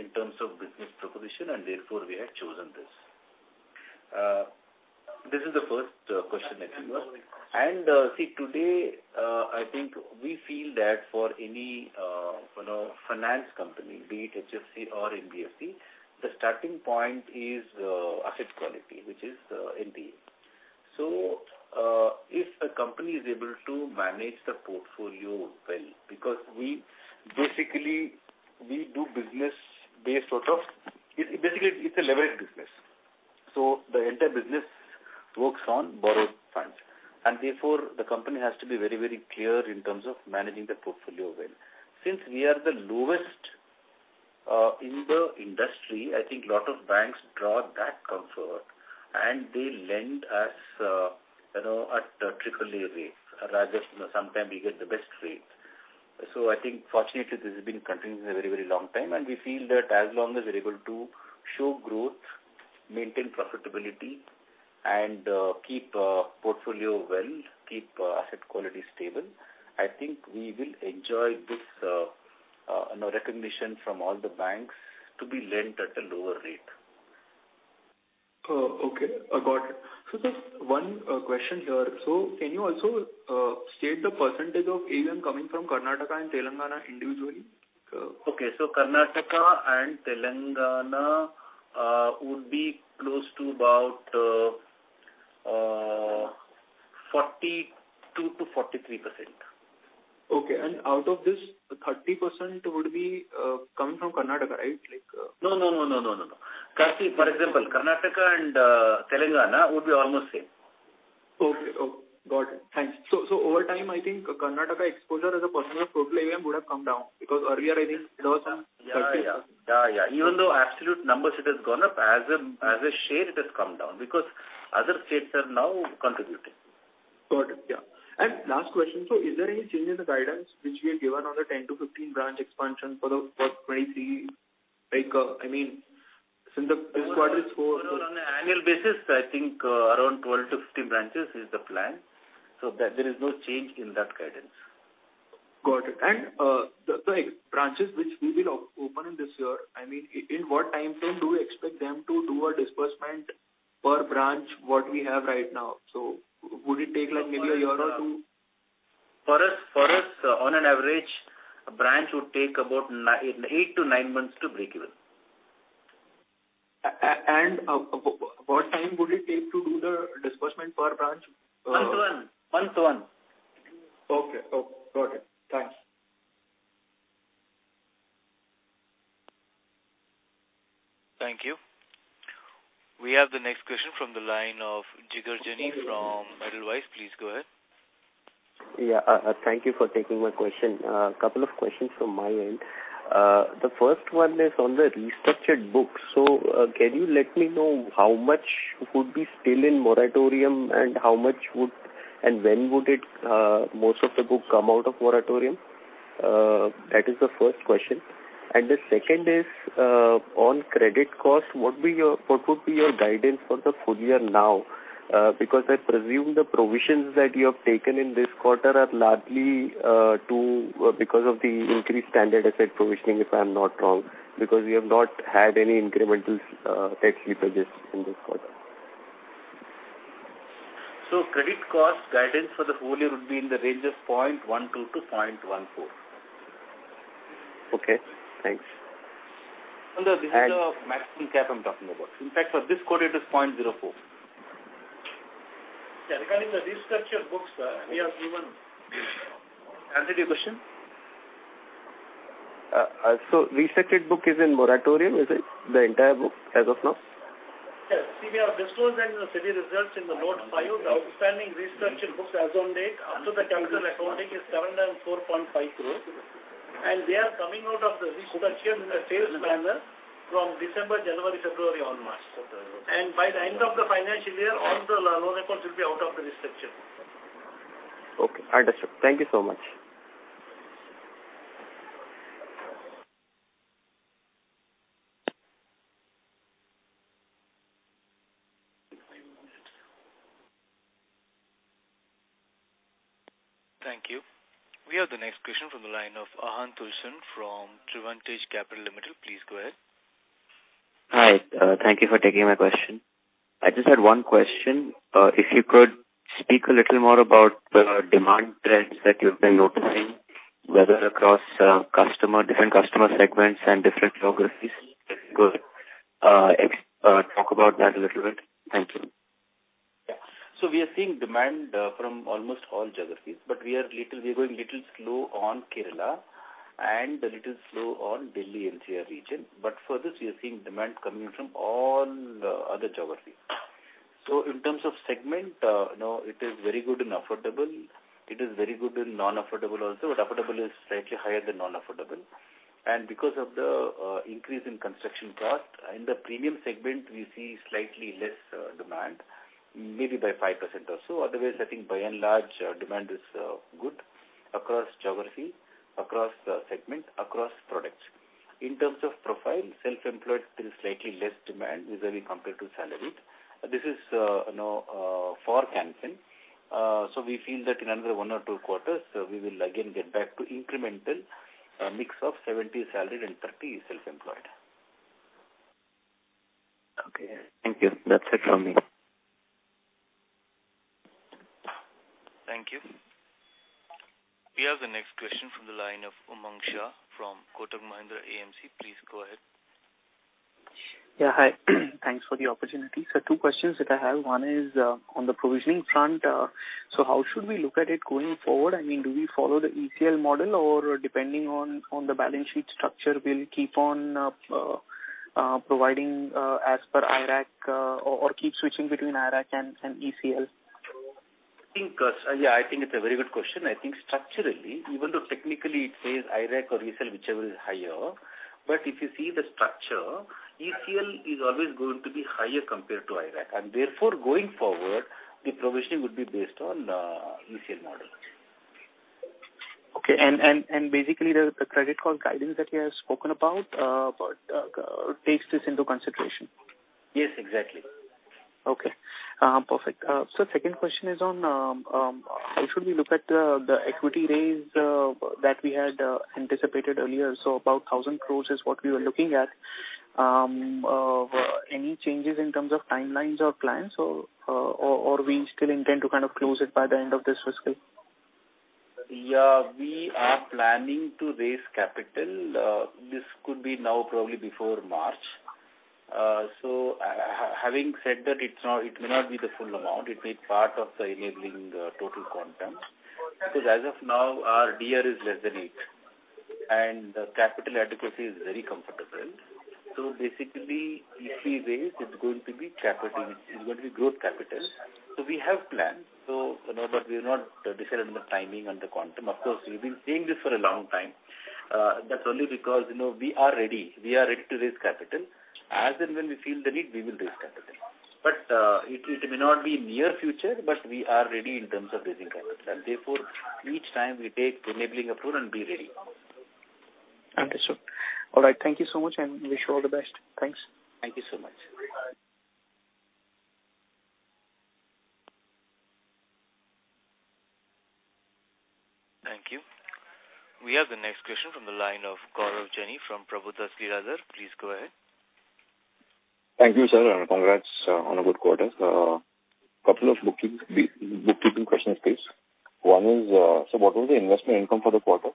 in terms of business proposition, and therefore we have chosen this. This is the first question I think was. See today, I think we feel that for any, you know, finance company, be it HFC or NBFC, the starting point is asset quality, which is NPA. If a company is able to manage the portfolio well, because we basically, we do business based out of... Basically it's a levered business, so the entire business works on borrowed funds, and therefore the company has to be very, very clear in terms of managing the portfolio well. Since we are the lowest in the industry, I think lot of banks draw that comfort and they lend us, you know, at AAA rate. Rather, you know, sometimes we get the best rate. I think fortunately this has been continuing for a very, very long time and we feel that as long as we're able to show growth, maintain profitability and keep portfolio well, keep asset quality stable, I think we will enjoy this, you know, recognition from all the banks to be lent at a lower rate. Oh, okay. I got it. Just one question here. Can you also state the percentage of AUM coming from Karnataka and Telangana individually? Okay. Karnataka and Telangana would be close to about 42%-43%. Okay. Out of this, 30% would be coming from Karnataka, right? Like, No, no, no, no, no. See, for example, Karnataka and Telangana would be almost same. Okay. Oh, got it. Thanks. Over time, I think Karnataka exposure as a percentage of total AUM would have come down because earlier I think it was 50%. Yeah. Even though absolute numbers, it has gone up, as a share, it has come down because other states are now contributing. Got it. Yeah. Last question, so is there any change in the guidance which we have given on the 10-15 branch expansion for 2023, like, I mean, since the first quarter call? On an annual basis, I think, around 12-15 branches is the plan, so that there is no change in that guidance. Got it. The branches which we will open in this year, I mean, in what timeframe do we expect them to do a disbursement per branch what we have right now? Would it take like maybe a year or two? For us, on average, a branch would take about 8-9 months to break even. How long time would it take to do the disbursement per branch? Month one. Okay. Oh, got it. Thanks. Thank you. We have the next question from the line of Jigar Jani from Edelweiss. Please go ahead. Thank you for taking my question. Couple of questions from my end. The first one is on the restructured books. Can you let me know how much would be still in moratorium and when would most of the book come out of moratorium? That is the first question. The second is on credit costs. What would be your guidance for the full year now? Because I presume the provisions that you have taken in this quarter are largely due to the increased standard asset provisioning, if I'm not wrong, because you have not had any incremental NPA slippages in this quarter. Credit cost guidance for the full year would be in the range of 0.12%-0.14%. Okay, thanks. No, this is the maximum cap I'm talking about. In fact, for this quarter it is 0.04%. Yeah. Regarding the restructured books, sir, we have given. Answered your question? Restructured book is in moratorium, is it, the entire book as of now? Yes. See, we have disclosed in the Q3 results in Note 5, the outstanding restructured books as on date up to the current accounting is 74.5 crores. They are coming out of the restructure in a phased manner from December, January, February, and March. By the end of the financial year, all the loan records will be out of the restructure. Okay. Understood. Thank you so much. Thank you. We have the next question from the line of Aahan Tulshan from Trivantage Capital Limited. Please go ahead. Hi. Thank you for taking my question. I just had one question. If you could speak a little more about the demand trends that you've been noticing, whether across different customer segments and different geographies. Could talk about that a little bit? Thank you. Yeah. We are seeing demand from almost all geographies, but we are going a little slow on Kerala and a little slow on Delhi-NCR region. For this, we are seeing demand coming from all the other geographies. In terms of segment, you know, it is very good in affordable, it is very good in non-affordable also, but affordable is slightly higher than non-affordable. Because of the increase in construction cost, in the premium segment we see slightly less demand, maybe by 5% or so. Otherwise, I think by and large, demand is good across geography, across segment, across products. In terms of profile, self-employed there is slightly less demand vis-a-vis compared to salaried. This is, you know, for Can Fin. We feel that in another one or two quarters, we will again get back to incremental mix of 70 salaried and 30 self-employed. Okay. Thank you. That's it from me. Thank you. We have the next question from the line of Umang Shah from Kotak Mahindra AMC. Please go ahead. Yeah. Hi. Thanks for the opportunity. Two questions that I have. One is on the provisioning front. How should we look at it going forward? I mean, do we follow the ECL model or depending on the balance sheet structure, we'll keep on providing as per IRAC, or keep switching between IRAC and ECL? I think, yeah, I think it's a very good question. I think structurally, even though technically it says IRAC or ECL, whichever is higher, but if you see the structure, ECL is always going to be higher compared to IRAC, and therefore going forward the provisioning would be based on, ECL model. Basically, the credit cost guidance that you have spoken about takes this into consideration? Yes, exactly. Perfect. Second question is on how should we look at the equity raise that we had anticipated earlier? About 1,000 crore is what we were looking at. Any changes in terms of timelines or plans or we still intend to kind of close it by the end of this fiscal? Yeah. We are planning to raise capital. This could be now probably before March. Having said that, it's not, it may not be the full amount. It may be part of the enabling total quantum. Because as of now our D/E is less than eight and capital adequacy is very comfortable. Basically if we raise, it's going to be capital, it's going to be growth capital. We have plans. You know, but we have not decided on the timing and the quantum. Of course, we've been saying this for a long time. That's only because, you know, we are ready. We are ready to raise capital. As and when we feel the need, we will raise capital. It may not be in the near future, but we are ready in terms of raising capital. Each time we take to enabling a pool and be ready. Understood. All right. Thank you so much and wish you all the best. Thanks. Thank you so much. Thank you. We have the next question from the line of Gaurav Jani from Prabhudas Lilladher. Please go ahead. Thank you, sir, and congrats on a good quarter. Couple of bookkeeping questions, please. One is, what was the investment income for the quarter?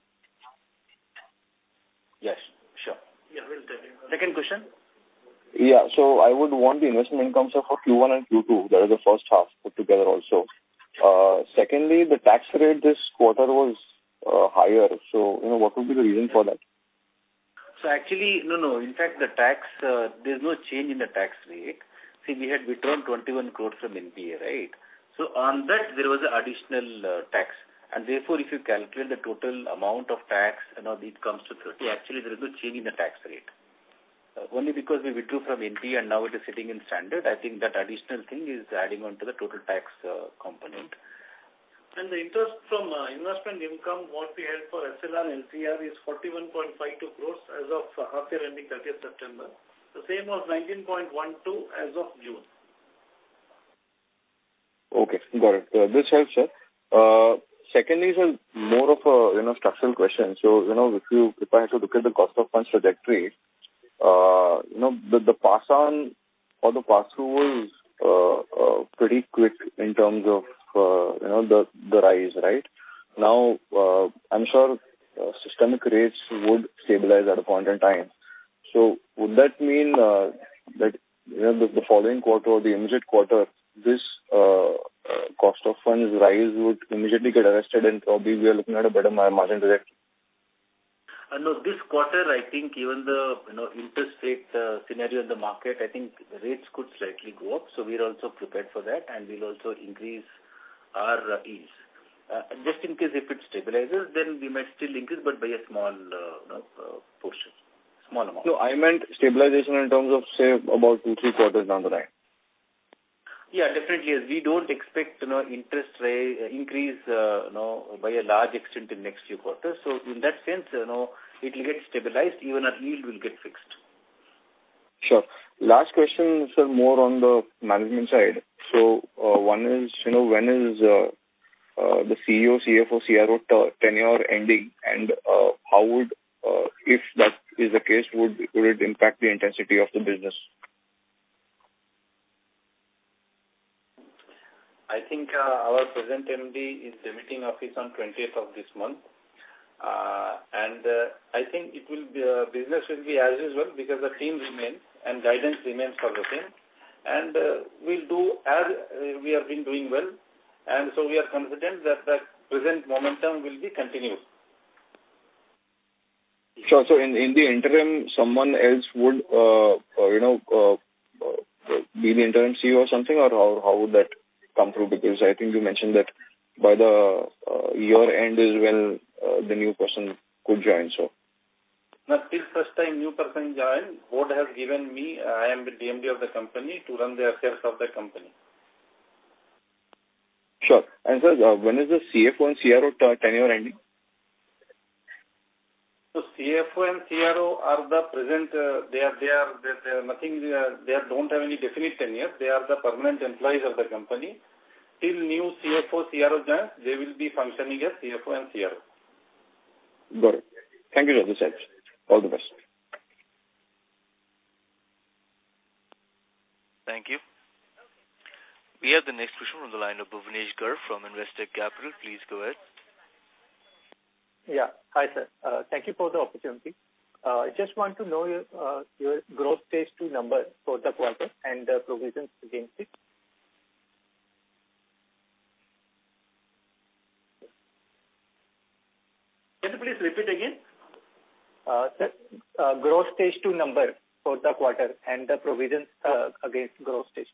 Yes, sure. Yeah, we'll tell you. Second question. I would want the investment incomes for Q1 and Q2. That is the first half put together also. Secondly, the tax rate this quarter was higher. You know, what would be the reason for that? Actually, no, in fact, the tax, there's no change in the tax rate. See, we had returned 21 crore from NPA, right? On that there was additional tax. Therefore, if you calculate the total amount of tax and now it comes to 30 crore, actually there is no change in the tax rate. Only because we withdrew from NPA and now it is sitting in standard. I think that additional thing is adding on to the total tax component. The interest from investment income, what we had for SLR and LCR is 41.52 crores as of half year ending 30 September. The same was 19.12 crores as of June. Okay, got it. This helps, sir. Secondly, sir, more of a, you know, structural question. You know, if I had to look at the cost of funds trajectory, the pass on or the pass through was pretty quick in terms of the rise, right? Now, I'm sure systemic rates would stabilize at a point in time. Would that mean that, you know, the following quarter or the immediate quarter, this cost of funds rise would immediately get arrested and probably we are looking at a better margin direction? No, this quarter, I think even the you know interest rate scenario in the market, I think rates could slightly go up. So we are also prepared for that, and we'll also increase our yields. Just in case if it stabilizes, then we might still increase, but by a small you know portion. Small amount. No, I meant stabilization in terms of, say, about 2, 3 quarters down the line. Yeah, definitely, yes. We don't expect, you know, interest rate increase, you know, by a large extent in next few quarters. In that sense, you know, it'll get stabilized even our yield will get fixed. Sure. Last question, sir, more on the management side. One is, you know, when is the CEO, CFO, CRO tenure ending? How would, if that is the case, would it impact the intensity of the business? I think our present MD is vacating office on 20th of this month. I think it will be business as usual because the team remains and guidance remains the same. We'll do as we have been doing well. We are confident that the present momentum will be continued. Sure. In the interim, someone else would, you know, be the interim CEO or something, or how would that come through? Because I think you mentioned that by the year-end is when the new person could join, so. Now, till such time new person join, board has given me, I am the DMD of the company to run the affairs of the company. Sure. Sir, when is the CFO and CRO tenure ending? CFO and CRO are present. They are interim. They don't have any definite tenure. They are the permanent employees of the company. Till new CFO, CRO join, they will be functioning as CFO and CRO. Got it. Thank you. This helps. All the best. Thank you. We have the next question on the line of Bhuvnesh Garg from Investec Capital. Please go ahead. Yeah. Hi, sir. Thank you for the opportunity. I just want to know your growth stage two number for the quarter and the provisions against it? Can you please repeat again? Sir, gross Stage 2 number for the quarter and the provisions against gross Stage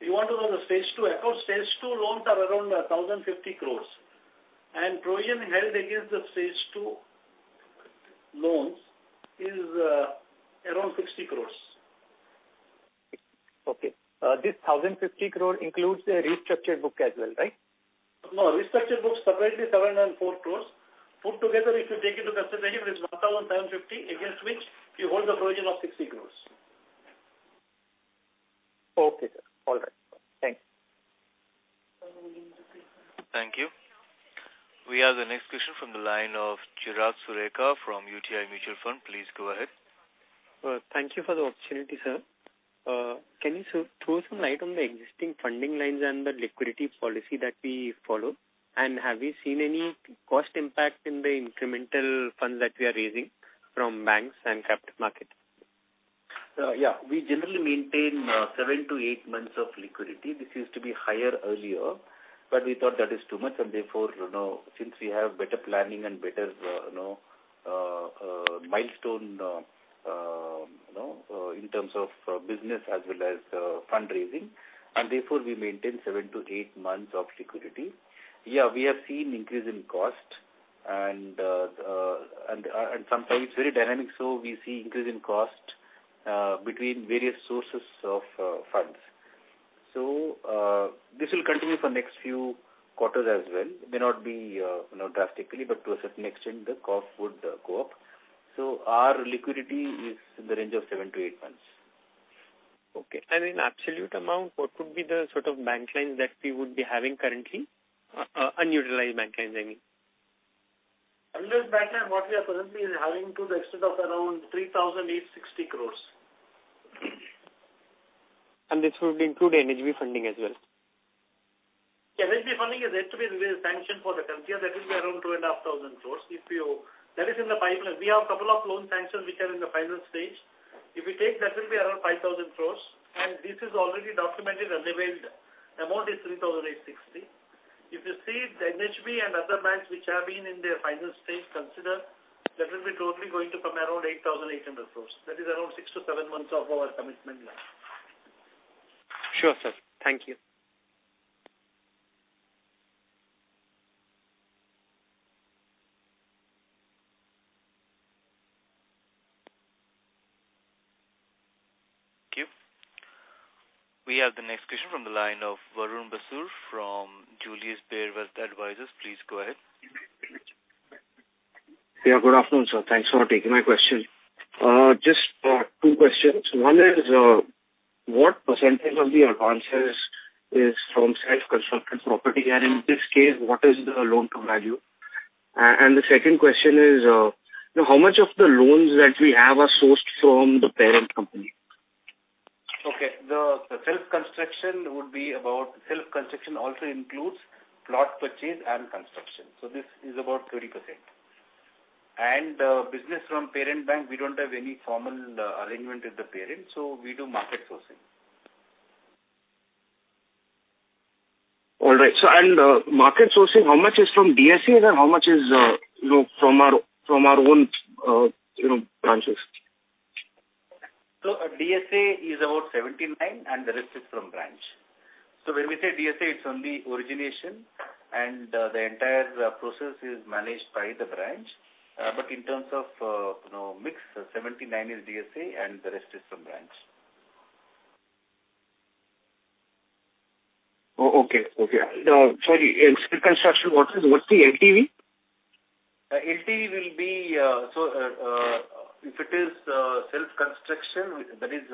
2. You want to know the stage two accounts? Stage two loans are around 1,050 crores. Provision held against the stage two loans is around 60 crores. Okay. This 1,050 crore includes a restructured book as well, right? Non-restructured books separately 7 crore and 4 crore. Put together, if you take into consideration, it is 1,750 crore against which you hold the provision of 60 crore. Okay, sir. All right. Thanks. Thank you. We have the next question from the line of Chirag Sureka from UTI Mutual Fund. Please go ahead. Thank you for the opportunity, sir. Can you throw some light on the existing funding lines and the liquidity policy that we follow? Have you seen any cost impact in the incremental funds that we are raising from banks and captive market? We generally maintain 7-8 months of liquidity. This used to be higher earlier, but we thought that is too much and therefore, you know, since we have better planning and better, you know, milestone, you know, in terms of business as well as fundraising, and therefore we maintain 7-8 months of liquidity. We have seen increase in cost and sometimes very dynamic. We see increase in cost between various sources of funds. This will continue for next few quarters as well. May not be drastically, but to a certain extent the cost would go up. Our liquidity is in the range of 7-8 months. Okay. In absolute amount, what could be the sort of bank lines that we would be having currently? Unutilized bank lines, I mean. Unutilized bank line, what we are currently having to the extent of around 3,860 crore. This would include NHB funding as well? Yeah, NHB funding is yet to be released sanction for the current year. That will be around 2,500 crores. That is in the pipeline. We have couple of loan sanctions which are in the final stage. If we take that, will be around 5,000 crores. This is already documented and availed amount is 3,860 crores. If you see the NHB and other banks which have been in their final stage, consider that will be totally going to come around 8,800 crores. That is around 6-7 months of our commitment line. Sure, sir. Thank you. Thank you. We have the next question from the line of Varun Basrur from Julius Baer Wealth Advisors. Please go ahead. Yeah, good afternoon, sir. Thanks for taking my question. Just two questions. One is, what percentage of the advances is from self-construction property? And in this case, what is the loan to value? The second question is, how much of the loans that we have are sourced from the parent company? Okay. Self-construction also includes plot purchase and construction. This is about 30%. Business from parent bank, we don't have any formal arrangement with the parent, so we do market sourcing. Market sourcing, how much is from DSAs and how much is, you know, from our own, you know, branches? DSA is about 79%, and the rest is from branch. When we say DSA, it's only origination, and the entire process is managed by the branch. But in terms of you know mix, 79% is DSA and the rest is from branch. Okay. Now, sorry, in self-construction, what's the LTV? LTV will be, if it is self-construction, that is,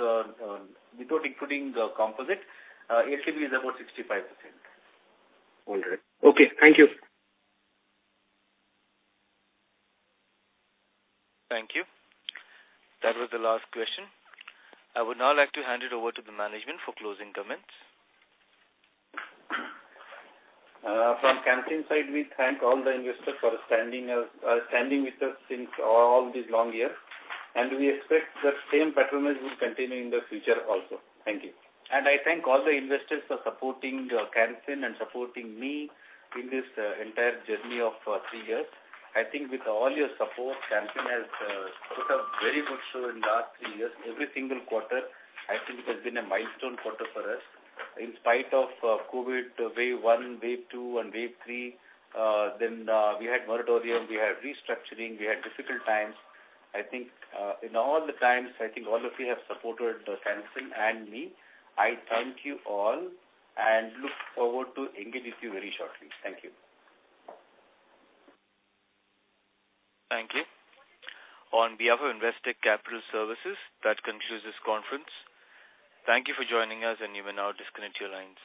without including the composite, LTV is about 65%. All right. Okay. Thank you. Thank you. That was the last question. I would now like to hand it over to the management for closing comments. From Can Fin Homes side, we thank all the investors for standing with us since all these long years. We expect that same patronage will continue in the future also. Thank you. I thank all the investors for supporting Can Fin Homes and supporting me in this entire journey of three years. I think with all your support, Can Fin Homes has put a very good show in last three years. Every single quarter I think has been a milestone quarter for us. In spite of COVID wave one, wave two and wave three, then we had moratorium, we had restructuring, we had difficult times. I think in all the times, I think all of you have supported Can Fin Homes and me. I thank you all and look forward to engage with you very shortly. Thank you. Thank you. On behalf of Investec Capital Services, that concludes this conference. Thank you for joining us, and you may now disconnect your lines.